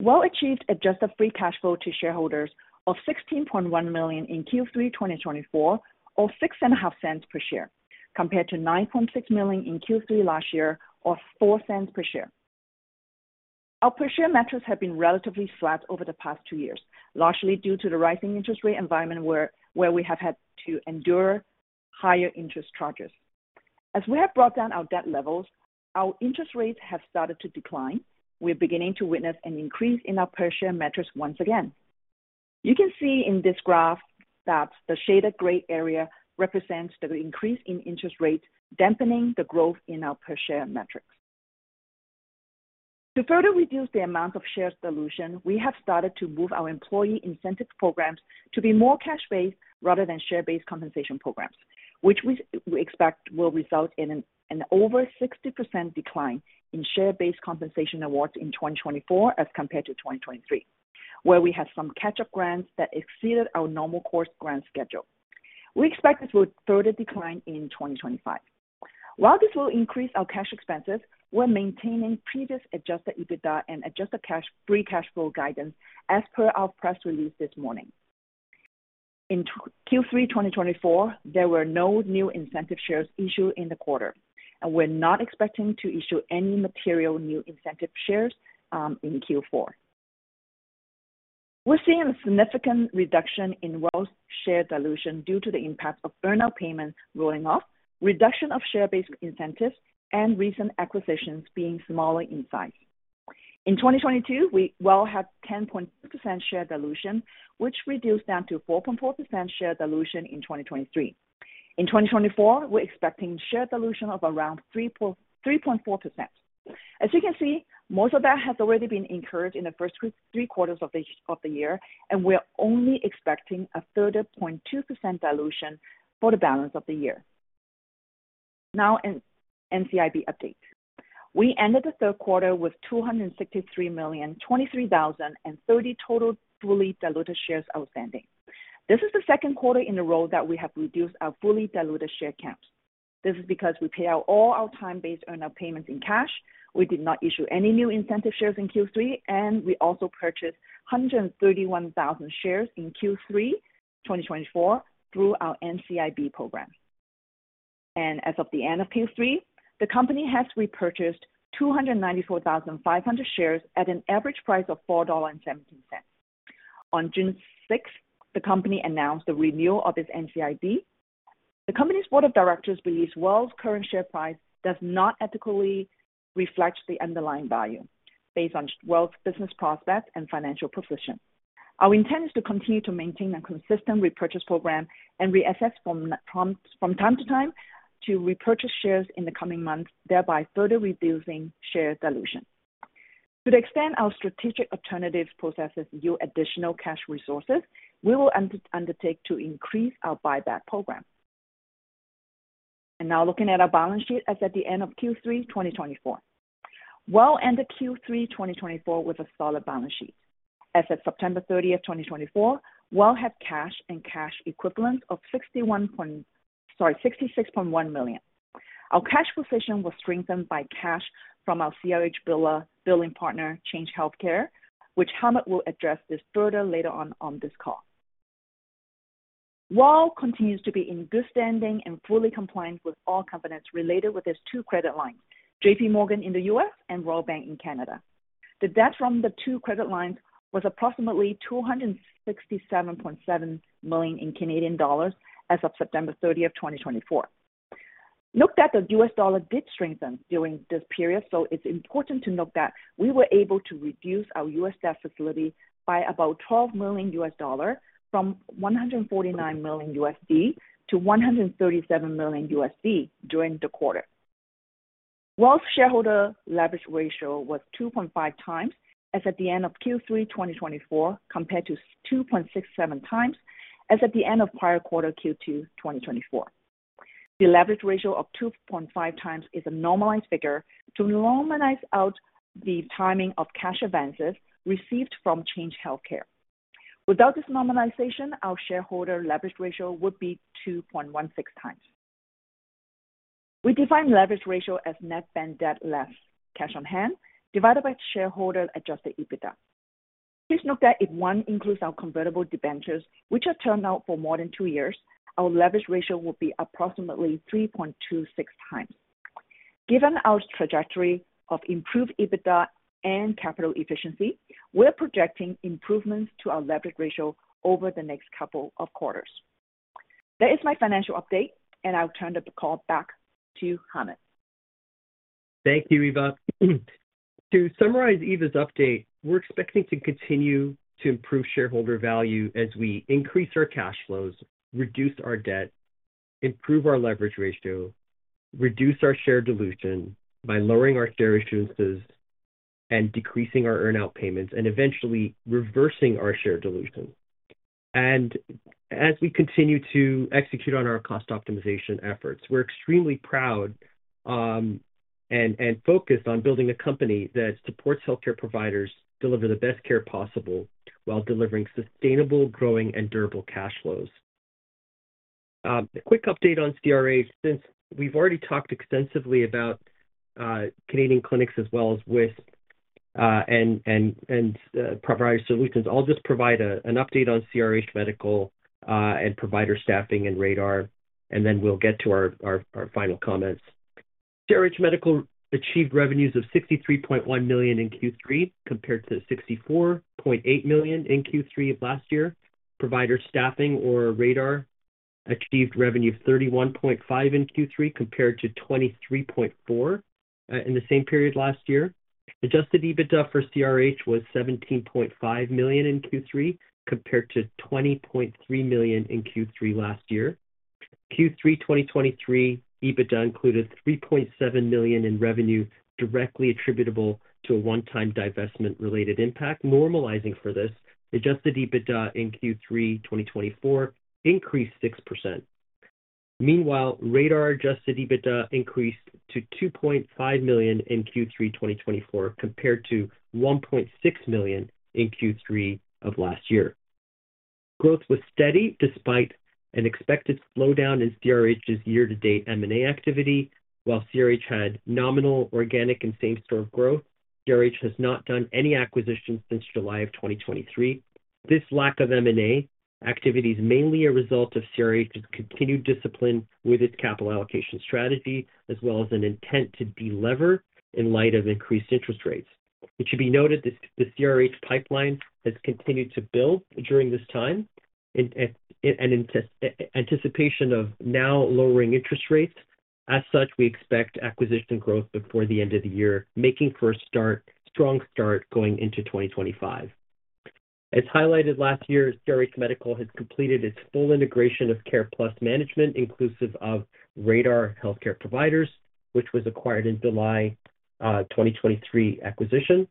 WELL achieved adjusted free cash flow to shareholders of 16.1 million in Q3 2024 or 6.50 per share compared to 9.6 million in Q3 last year or 0.04 per share. Our per-share metrics have been relatively flat over the past two years, largely due to the rising interest rate environment where we have had to endure higher interest charges. As we have brought down our debt levels, our interest rates have started to decline. We're beginning to witness an increase in our per-share metrics once again. You can see in this graph that the shaded gray area represents the increase in interest rates dampening the growth in our per-share metrics. To further reduce the amount of share dilution, we have started to move our employee incentive programs to be more cash-based rather than share-based compensation programs, which we expect will result in an over 60% decline in share-based compensation awards in 2024 as compared to 2023, where we had some catch-up grants that exceeded our normal course grant schedule. We expect this will further decline in 2025. While this will increase our cash expenses, we're maintaining previous Adjusted EBITDA and Adjusted Free Cash Flow guidance as per our press release this morning. In Q3 2024, there were no new incentive shares issued in the quarter, and we're not expecting to issue any material new incentive shares in Q4. We're seeing a significant reduction in WELL's share dilution due to the impact of earnout payments rolling off, reduction of share-based incentives, and recent acquisitions being smaller in size. In 2022, WELL had 10.2% share dilution, which reduced down to 4.4% share dilution in 2023. In 2024, we're expecting share dilution of around 3.4%. As you can see, most of that has already been incurred in the first three quarters of the year, and we're only expecting a 30.2% dilution for the balance of the year. Now, an NCIB update. We ended the third quarter with 263,023,000 and 30 total fully diluted shares outstanding. This is the second quarter in a row that we have reduced our fully diluted share counts. This is because we paid out all our time-based earnout payments in cash. We did not issue any new incentive shares in Q3, and we also purchased 131,000 shares in Q3 2024 through our NCIB program. And as of the end of Q3, the company has repurchased 294,500 shares at an average price of 4.17 dollar. On June 6, the company announced the renewal of its NCIB. The company's board of directors believes WELL's current share price does not adequately reflect the underlying value based on WELL's business prospects and financial position. Our intent is to continue to maintain a consistent repurchase program and reassess from time to time to repurchase shares in the coming months, thereby further reducing share dilution. To the extent our strategic alternatives processes new additional cash resources, we will undertake to increase our buyback program. Now, looking at our balance sheet as at the end of Q3 2024, WELL ended Q3 2024 with a solid balance sheet. As of September 30, 2024, WELL had cash and cash equivalents of 66.1 million. Our cash position was strengthened by cash from our CRH billing partner, Change Healthcare, which Hamed will address this further later on this call. WELL continues to be in good standing and fully compliant with all covenants related with its two credit lines, JP Morgan in the U.S. and Royal Bank in Canada. The debt from the two credit lines was approximately 267.7 million as of September 30, 2024. Note that the US dollar did strengthen during this period, so it's important to note that we were able to reduce our US debt facility by about $12 million USD from $149 million USD to $137 million USD during the quarter. WELL's shareholder leverage ratio was 2.5 times as at the end of Q3 2024 compared to 2.67 times as at the end of prior quarter, Q2 2024. The leverage ratio of 2.5 times is a normalized figure to normalize out the timing of cash advances received from Change Healthcare. Without this normalization, our shareholder leverage ratio would be 2.16 times. We define leverage ratio as net bank debt less cash on hand divided by shareholder Adjusted EBITDA. Please note that if one includes our convertible debentures, which are turned out for more than two years, our leverage ratio would be approximately 3.26 times. Given our trajectory of improved EBITDA and capital efficiency, we're projecting improvements to our leverage ratio over the next couple of quarters. That is my financial update, and I'll turn the call back to Hamed. Thank you, Eva. To summarize Eva's update, we're expecting to continue to improve shareholder value as we increase our cash flows, reduce our debt, improve our leverage ratio, reduce our share dilution by lowering our share issuances and decreasing our earnout payments, and eventually reversing our share dilution. And as we continue to execute on our cost optimization efforts, we're extremely proud and focused on building a company that supports healthcare providers deliver the best care possible while delivering sustainable, growing, and durable cash flows. A quick update on CRH, since we've already talked extensively about Canadian clinics as well as Wisp and provider solutions, I'll just provide an update on CRH Medical and provider staffing and Radar, and then we'll get to our final comments. CRH Medical achieved revenues of $63.1 million in Q3 compared to $64.8 million in Q3 of last year. Provider staffing or Radar achieved revenue of $31.5 million in Q3 compared to $23.4 million in the same period last year. Adjusted EBITDA for CRH was $17.5 million in Q3 compared to $20.3 million in Q3 last year. Q3 2023 EBITDA included $3.7 million in revenue directly attributable to a one-time divestment-related impact. Normalizing for this, adjusted EBITDA in Q3 2024 increased 6%. Meanwhile, Radar Adjusted EBITDA increased to $2.5 million in Q3 2024 compared to $1.6 million in Q3 of last year. Growth was steady despite an expected slowdown in CRH's year-to-date M&A activity. While CRH had nominal organic and same-store growth, CRH has not done any acquisitions since July of 2023. This lack of M&A activity is mainly a result of CRH's continued discipline with its capital allocation strategy, as well as an intent to deliver in light of increased interest rates. It should be noted that the CRH pipeline has continued to build during this time in anticipation of now lowering interest rates. As such, we expect acquisition growth before the end of the year, making for a strong start going into 2025. As highlighted last year, CRH Medical has completed its full integration of CarePlus Management, inclusive of Radar Healthcare Providers, which was acquired in July 2023 acquisition.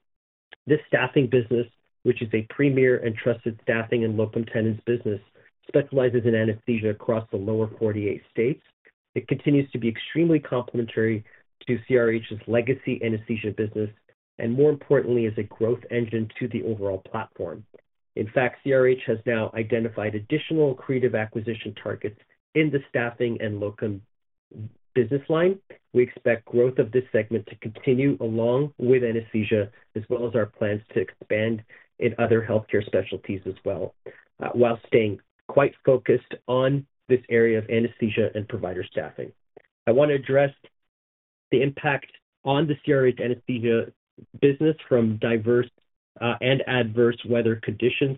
This staffing business, which is a premier and trusted staffing and locum tenens business, specializes in anesthesia across the lower 48 states. It continues to be extremely complementary to CRH's legacy anesthesia business and, more importantly, is a growth engine to the overall platform. In fact, CRH has now identified additional creative acquisition targets in the staffing and locum business line. We expect growth of this segment to continue along with anesthesia, as well as our plans to expand in other healthcare specialties as well, while staying quite focused on this area of anesthesia and provider staffing. I want to address the impact on the CRH anesthesia business from diverse and adverse weather conditions,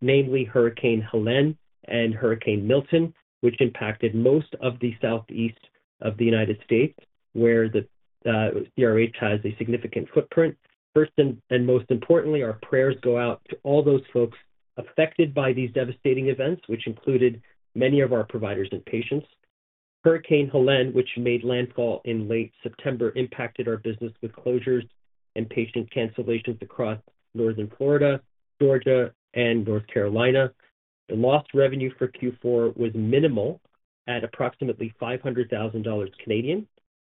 namely Hurricane Helene and Hurricane Milton, which impacted most of the southeast of the United States, where the CRH has a significant footprint. First and most importantly, our prayers go out to all those folks affected by these devastating events, which included many of our providers and patients. Hurricane Helene, which made landfall in late September, impacted our business with closures and patient cancellations across northern Florida, Georgia, and North Carolina. The lost revenue for Q4 was minimal at approximately 500,000 Canadian dollars.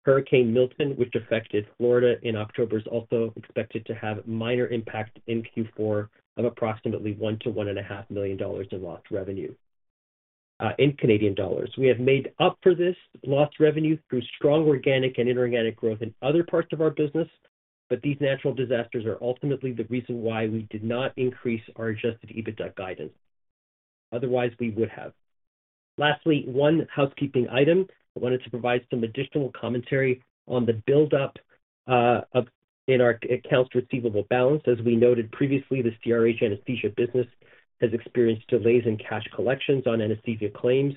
Hurricane Milton, which affected Florida in October, is also expected to have a minor impact in Q4 of approximately 1 million-1.5 million dollars in lost revenue. We have made up for this lost revenue through strong organic and inorganic growth in other parts of our business, but these natural disasters are ultimately the reason why we did not increase our Adjusted EBITDA guidance. Otherwise, we would have. Lastly, one housekeeping item. I wanted to provide some additional commentary on the buildup in our accounts receivable balance. As we noted previously, the CRH anesthesia business has experienced delays in cash collections on anesthesia claims,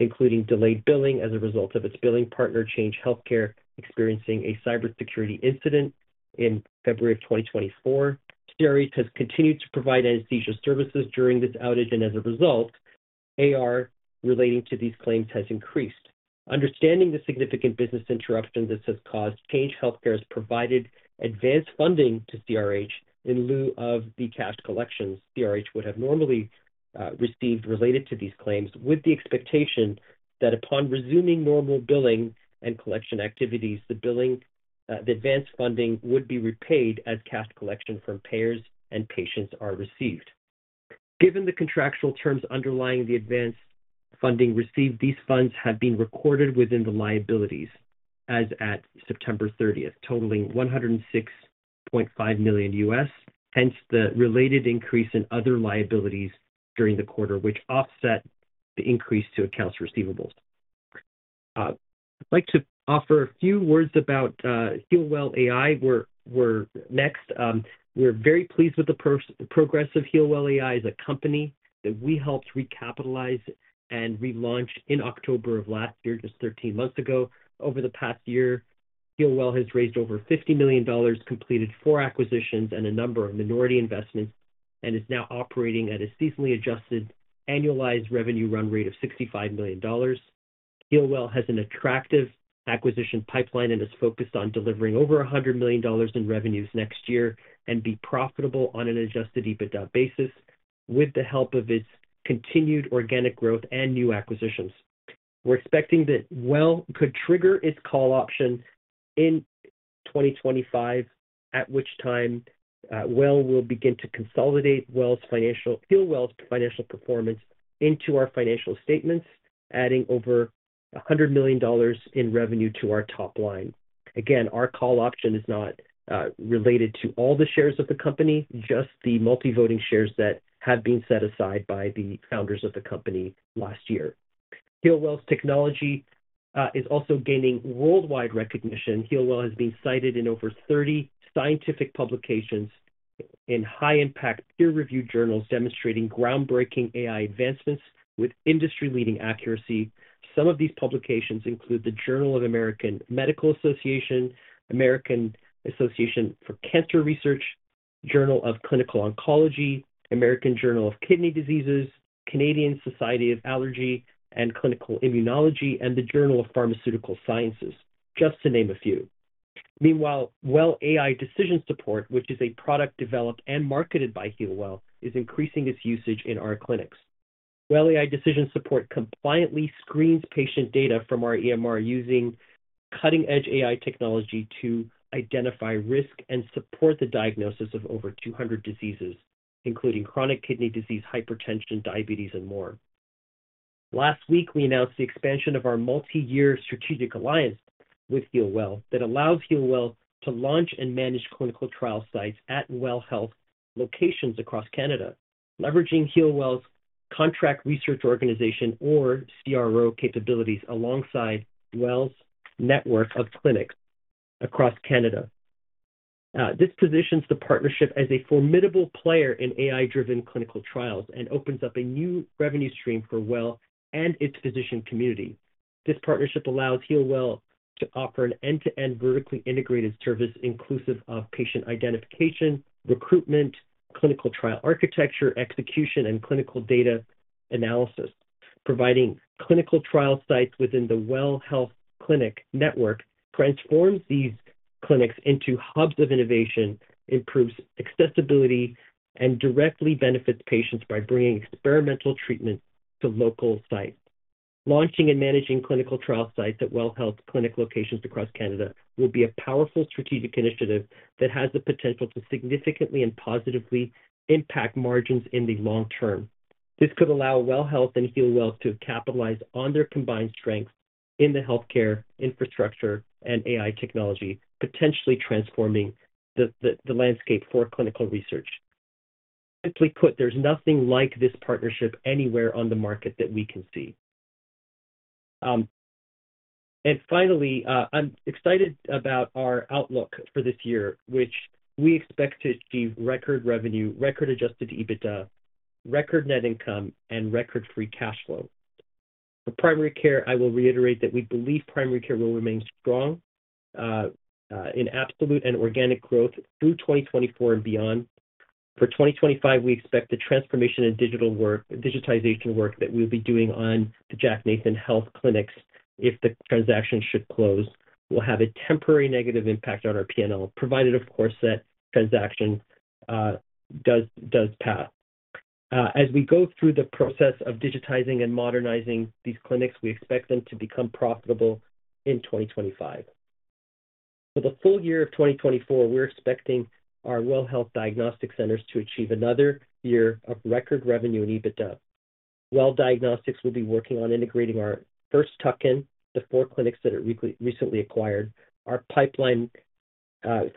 including delayed billing as a result of its billing partner, Change Healthcare, experiencing a cybersecurity incident in February of 2024. CRH has continued to provide anesthesia services during this outage, and as a result, AR relating to these claims has increased. Understanding the significant business interruption this has caused, Change Healthcare has provided advanced funding to CRH in lieu of the cash collections CRH would have normally received related to these claims, with the expectation that upon resuming normal billing and collection activities, the advanced funding would be repaid as cash collection from payers and patients are received. Given the contractual terms underlying the advanced funding received, these funds have been recorded within the liabilities as at September 30, totaling $106.5 million, hence the related increase in other liabilities during the quarter, which offset the increase to accounts receivable. I'd like to offer a few words about HEALWELL AI. We're next. We're very pleased with the progress of HEALWELL AI as a company that we helped recapitalize and relaunch in October of last year, just 13 months ago. Over the past year, HEALWELL has raised over $50 million, completed four acquisitions and a number of minority investments, and is now operating at a seasonally adjusted annualized revenue run rate of $65 million. HEALWELL has an attractive acquisition pipeline and is focused on delivering over $100 million in revenues next year and be profitable on an Adjusted EBITDA basis with the help of its continued organic growth and new acquisitions. We're expecting that WELL could trigger its call option in 2025, at which time WELL will begin to consolidate HEALWELL's financial performance into our financial statements, adding over $100 million in revenue to our top line. Again, our call option is not related to all the shares of the company, just the multi-voting shares that have been set aside by the founders of the company last year. HEALWELL's technology is also gaining worldwide recognition. HEALWELL has been cited in over 30 scientific publications in high-impact peer-reviewed journals demonstrating groundbreaking AI advancements with industry-leading accuracy. Some of these publications include the Journal of the American Medical Association, American Association for Cancer Research, Journal of Clinical Oncology, American Journal of Kidney Diseases, Canadian Society of Allergy and Clinical Immunology, and the Journal of Pharmaceutical Sciences, just to name a few. Meanwhile, WELL AI Decision Support, which is a product developed and marketed by HEALWELL, is increasing its usage in our clinics. WELL AI Decision Support compliantly screens patient data from our EMR using cutting-edge AI technology to identify risk and support the diagnosis of over 200 diseases, including chronic kidney disease, hypertension, diabetes, and more. Last week, we announced the expansion of our multi-year strategic alliance with HEALWELL that allows HEALWELL to launch and manage clinical trial sites at WELL Health locations across Canada, leveraging HEALWELL's contract research organization, or CRO, capabilities alongside WELL's network of clinics across Canada. This positions the partnership as a formidable player in AI-driven clinical trials and opens up a new revenue stream for WELL and its physician community. This partnership allows HEALWELL to offer an end-to-end vertically integrated service, inclusive of patient identification, recruitment, clinical trial architecture, execution, and clinical data analysis. Providing clinical trial sites within the WELL Health Clinic network transforms these clinics into hubs of innovation, improves accessibility, and directly benefits patients by bringing experimental treatment to local sites. Launching and managing clinical trial sites at WELL Health clinic locations across Canada will be a powerful strategic initiative that has the potential to significantly and positively impact margins in the long term. This could allow WELL Health and HEALWELL to capitalize on their combined strengths in the healthcare infrastructure and AI technology, potentially transforming the landscape for clinical research. Simply put, there's nothing like this partnership anywhere on the market that we can see. And finally, I'm excited about our outlook for this year, which we expect to achieve record revenue, record Adjusted EBITDA, record net income, and record free cash flow. For primary care, I will reiterate that we believe primary care will remain strong in absolute and organic growth through 2024 and beyond. For 2025, we expect the transformation in digitization work that we'll be doing on the Jack Nathan Health clinics, if the transaction should close, will have a temporary negative impact on our P&L, provided, of course, that transaction does pass. As we go through the process of digitizing and modernizing these clinics, we expect them to become profitable in 2025. For the full year of 2024, we're expecting our WELL Health Diagnostic Centers to achieve another year of record revenue and EBITDA. WELL Diagnostics will be working on integrating our first tuck-in, the four clinics that it recently acquired. Our pipeline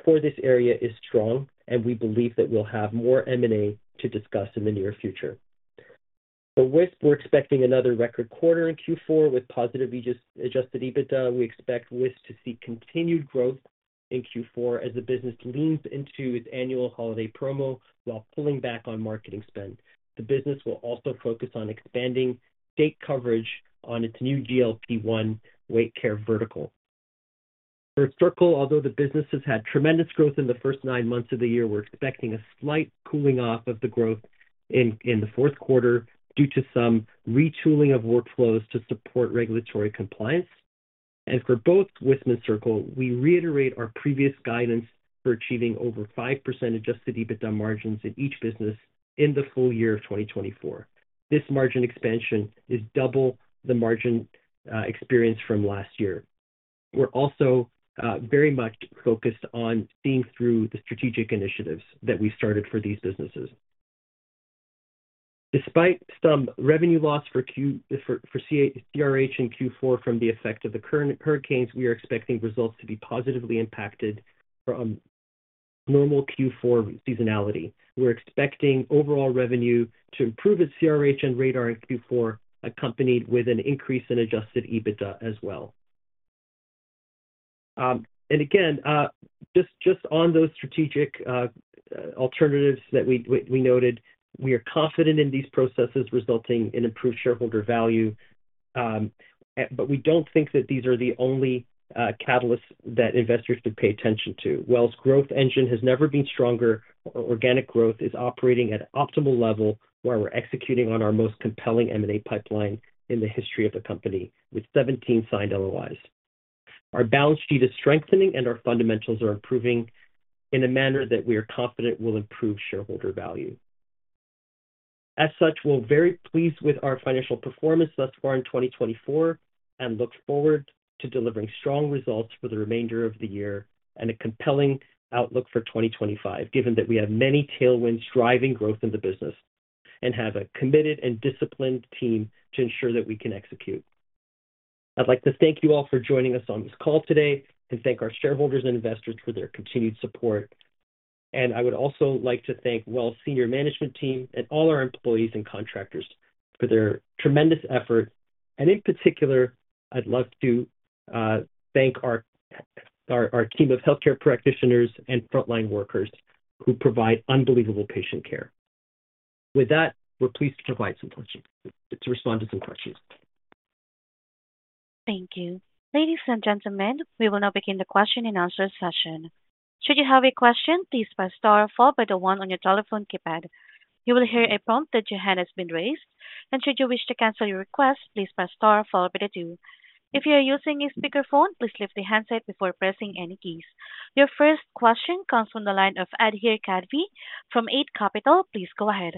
for this area is strong, and we believe that we'll have more M&A to discuss in the near future. For Wisp, we're expecting another record quarter in Q4 with positive Adjusted EBITDA. We expect Wisp to see continued growth in Q4 as the business leans into its annual holiday promo while pulling back on marketing spend. The business will also focus on expanding state coverage on its new GLP-1 weight care vertical. For Circle, although the business has had tremendous growth in the first nine months of the year, we're expecting a slight cooling off of the growth in the fourth quarter due to some retooling of workflows to support regulatory compliance. And for both Wisp and Circle, we reiterate our previous guidance for achieving over 5% Adjusted EBITDA margins in each business in the full year of 2024. This margin expansion is double the margin experience from last year. We're also very much focused on seeing through the strategic initiatives that we've started for these businesses. Despite some revenue loss for CRH in Q4 from the effect of the current hurricanes, we are expecting results to be positively impacted from normal Q4 seasonality. We're expecting overall revenue to improve at CRH and RADAR in Q4, accompanied with an increase in adjusted EBITDA as well. And again, just on those strategic alternatives that we noted, we are confident in these processes resulting in improved shareholder value, but we don't think that these are the only catalysts that investors would pay attention to. WELL's growth engine has never been stronger, our organic growth is operating at an optimal level where we're executing on our most compelling M&A pipeline in the history of the company with 17 signed LOIs. Our balance sheet is strengthening, and our fundamentals are improving in a manner that we are confident will improve shareholder value. As such, we're very pleased with our financial performance thus far in 2024 and look forward to delivering strong results for the remainder of the year and a compelling outlook for 2025, given that we have many tailwinds driving growth in the business and have a committed and disciplined team to ensure that we can execute. I'd like to thank you all for joining us on this call today and thank our shareholders and investors for their continued support. And I would also like to thank WELL's senior management team and all our employees and contractors for their tremendous effort. And in particular, I'd love to thank our team of healthcare practitioners and frontline workers who provide unbelievable patient care. With that, we're pleased to respond to some questions. Thank you. Ladies and gentlemen, we will now begin the question and answer session. Should you have a question, please press star or follow by the one on your telephone keypad. You will hear a prompt that your hand has been raised. And should you wish to cancel your request, please press star or follow by the two. If you are using a speakerphone, please lift the handset before pressing any keys. Your first question comes from the line of Adhir Kadve from Eight Capital. Please go ahead.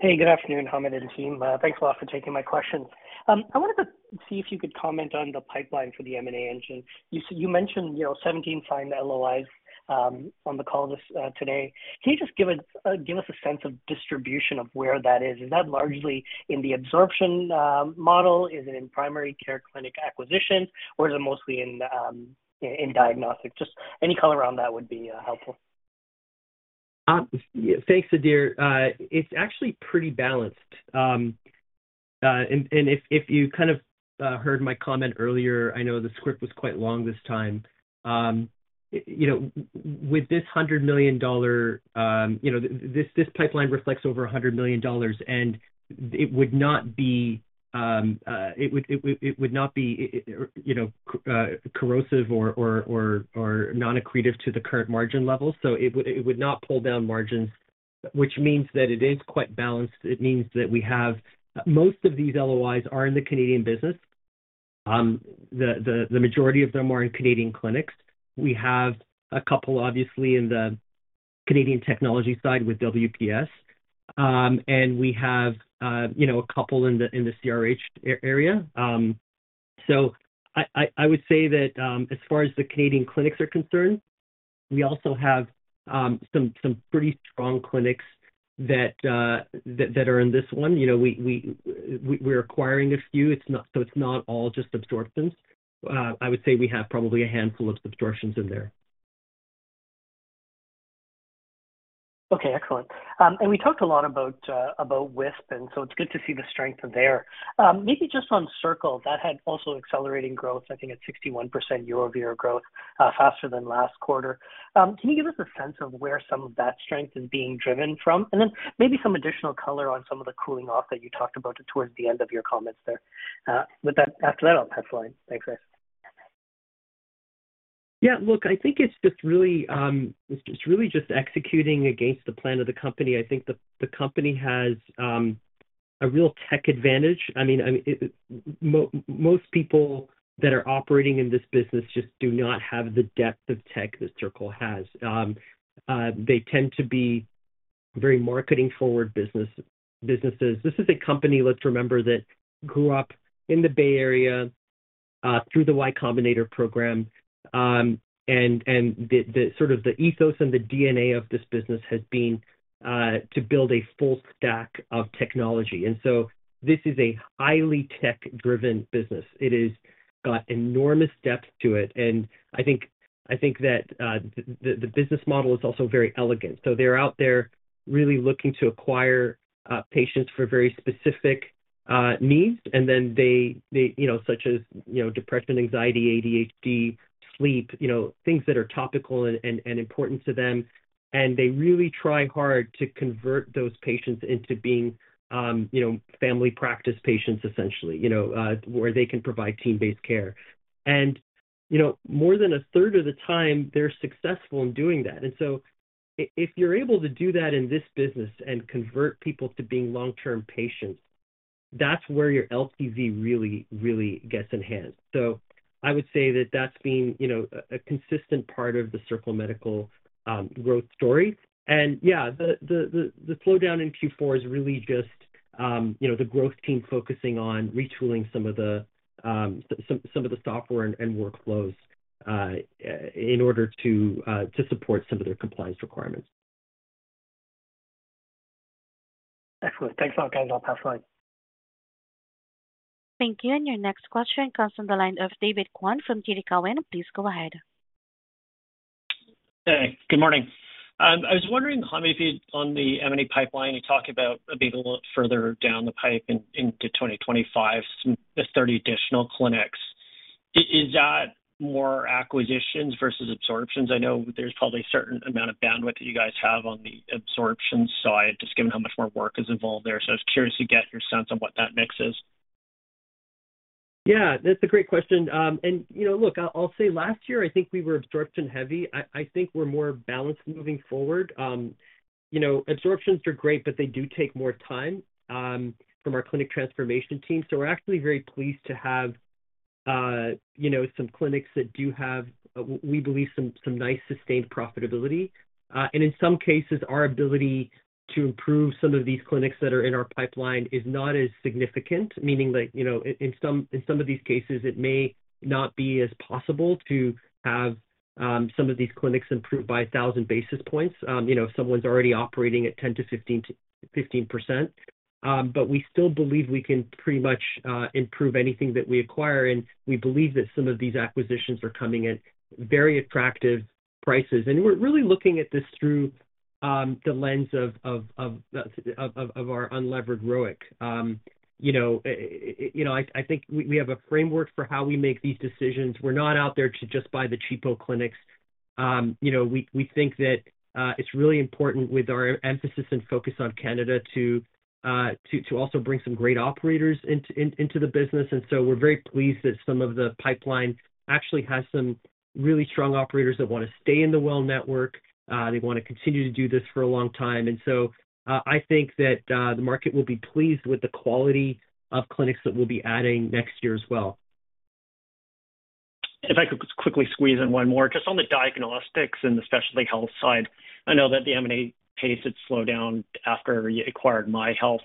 Hey, good afternoon, Hamed and team. Thanks a lot for taking my questions. I wanted to see if you could comment on the pipeline for the M&A engine. You mentioned 17 signed LOIs on the call today. Can you just give us a sense of distribution of where that is? Is that largely in the absorption model? Is it in primary care clinic acquisitions, or is it mostly in diagnostic? Just any color on that would be helpful. Thanks, Adhir. It's actually pretty balanced, and if you kind of heard my comment earlier, I know the script was quite long this time. With this 100 million dollar, this pipeline reflects over 100 million dollars, and it would not be corrosive or non-accretive to the current margin level. So it would not pull down margins, which means that it is quite balanced. It means that we have most of these LOIs are in the Canadian business. The majority of them are in Canadian clinics. We have a couple, obviously, in the Canadian technology side with WPS, and we have a couple in the CRH area. So I would say that as far as the Canadian clinics are concerned, we also have some pretty strong clinics that are in this one. We're acquiring a few, so it's not all just absorptions. I would say we have probably a handful of absorptions in there. Okay, excellent, and we talked a lot about Wisp, and so it's good to see the strength there. Maybe just on Circle, that had also accelerating growth, I think, at 61% year-over-year growth, faster than last quarter. Can you give us a sense of where some of that strength is being driven from? And then maybe some additional color on some of the cooling off that you talked about towards the end of your comments there. With that, after that, I'll pass the line. Thanks, guys. Yeah, look, I think it's just really executing against the plan of the company. I think the company has a real tech advantage. I mean, most people that are operating in this business just do not have the depth of tech that Circle has. They tend to be very marketing-forward businesses. This is a company, let's remember, that grew up in the Bay Area through the Y Combinator program. And sort of the ethos and the DNA of this business has been to build a full stack of technology. And so this is a highly tech-driven business. It has got enormous depth to it. And I think that the business model is also very elegant. So they're out there really looking to acquire patients for very specific needs, and then, such as depression, anxiety, ADHD, sleep, things that are topical and important to them. And they really try hard to convert those patients into being family practice patients, essentially, where they can provide team-based care. And more than a third of the time, they're successful in doing that. And so if you're able to do that in this business and convert people to being long-term patients, that's where your LTV really, really gets enhanced. So I would say that that's been a consistent part of the Circle Medical growth story. And yeah, the slowdown in Q4 is really just the growth team focusing on retooling some of the software and workflows in order to support some of their compliance requirements. Excellent. Thanks a lot, guys. I'll pass the line. Thank you. And your next question comes from the line of David Kwan from TD Cowen. Please go ahead. Good morning. I was wondering, Hamed, if you'd on the M&A pipeline, you talked about being a little further down the pipe into 2025, 30 additional clinics. Is that more acquisitions versus absorptions? I know there's probably a certain amount of bandwidth that you guys have on the absorption side, just given how much more work is involved there. So I was curious to get your sense on what that mix is. Yeah, that's a great question. And look, I'll say last year, I think we were absorption-heavy. I think we're more balanced moving forward. Absorptions are great, but they do take more time from our clinic transformation team. So we're actually very pleased to have some clinics that do have, we believe, some nice sustained profitability. And in some cases, our ability to improve some of these clinics that are in our pipeline is not as significant, meaning that in some of these cases, it may not be as possible to have some of these clinics improved by 1,000 basis points if someone's already operating at 10%-15%. But we still believe we can pretty much improve anything that we acquire. And we believe that some of these acquisitions are coming at very attractive prices. And we're really looking at this through the lens of our unlevered ROIC. I think we have a framework for how we make these decisions. We're not out there to just buy the cheapo clinics. We think that it's really important with our emphasis and focus on Canada to also bring some great operators into the business. We're very pleased that some of the pipeline actually has some really strong operators that want to stay in the WELL network. They want to continue to do this for a long time. And so I think that the market will be pleased with the quality of clinics that we'll be adding next year as well. If I could quickly squeeze in one more, just on the diagnostics and the specialty health side. I know that the M&A pace had slowed down after you acquired MyHealth.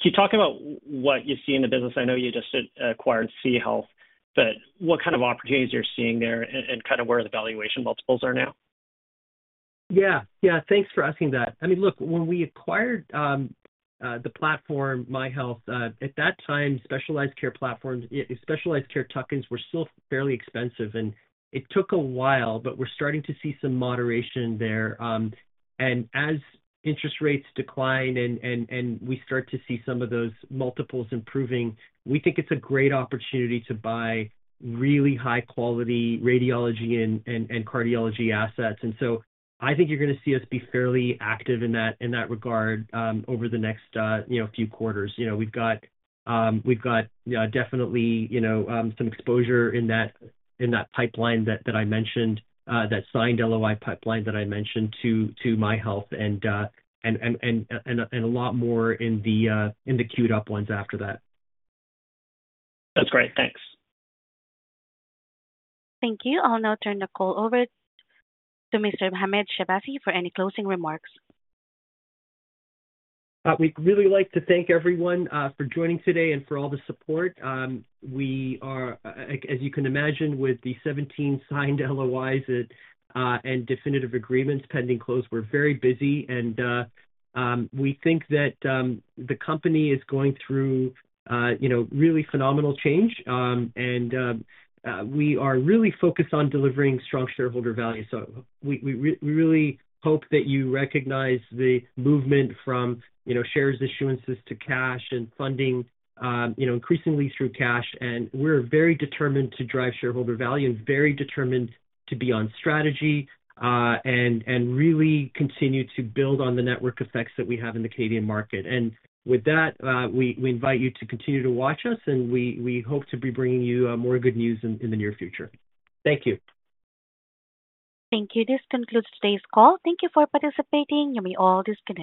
Can you talk about what you see in the business? I know you just acquired C-Health, but what kind of opportunities you're seeing there and kind of where the valuation multiples are now? Yeah, yeah. Thanks for asking that. I mean, look, when we acquired the platform, MyHealth, at that time, specialized care platforms, specialized care tuck-ins were still fairly expensive. And it took a while, but we're starting to see some moderation there. And as interest rates decline and we start to see some of those multiples improving, we think it's a great opportunity to buy really high-quality radiology and cardiology assets. And so I think you're going to see us be fairly active in that regard over the next few quarters. We've got definitely some exposure in that pipeline that I mentioned, that signed LOI pipeline that I mentioned to MyHealth and a lot more in the queued-up ones after that. That's great. Thanks. Thank you. I'll now turn the call over to Mr. Hamed Shahbazi for any closing remarks. We'd really like to thank everyone for joining today and for all the support. As you can imagine, with the 17 signed LOIs and definitive agreements pending close, we're very busy. And we think that the company is going through really phenomenal change. And we are really focused on delivering strong shareholder value. So we really hope that you recognize the movement from shares issuances to cash and funding increasingly through cash. And we're very determined to drive shareholder value and very determined to be on strategy and really continue to build on the network effects that we have in the Canadian market. And with that, we invite you to continue to watch us. And we hope to be bringing you more good news in the near future. Thank you. Thank you. This concludes today's call. Thank you for participating. You may all disconnect.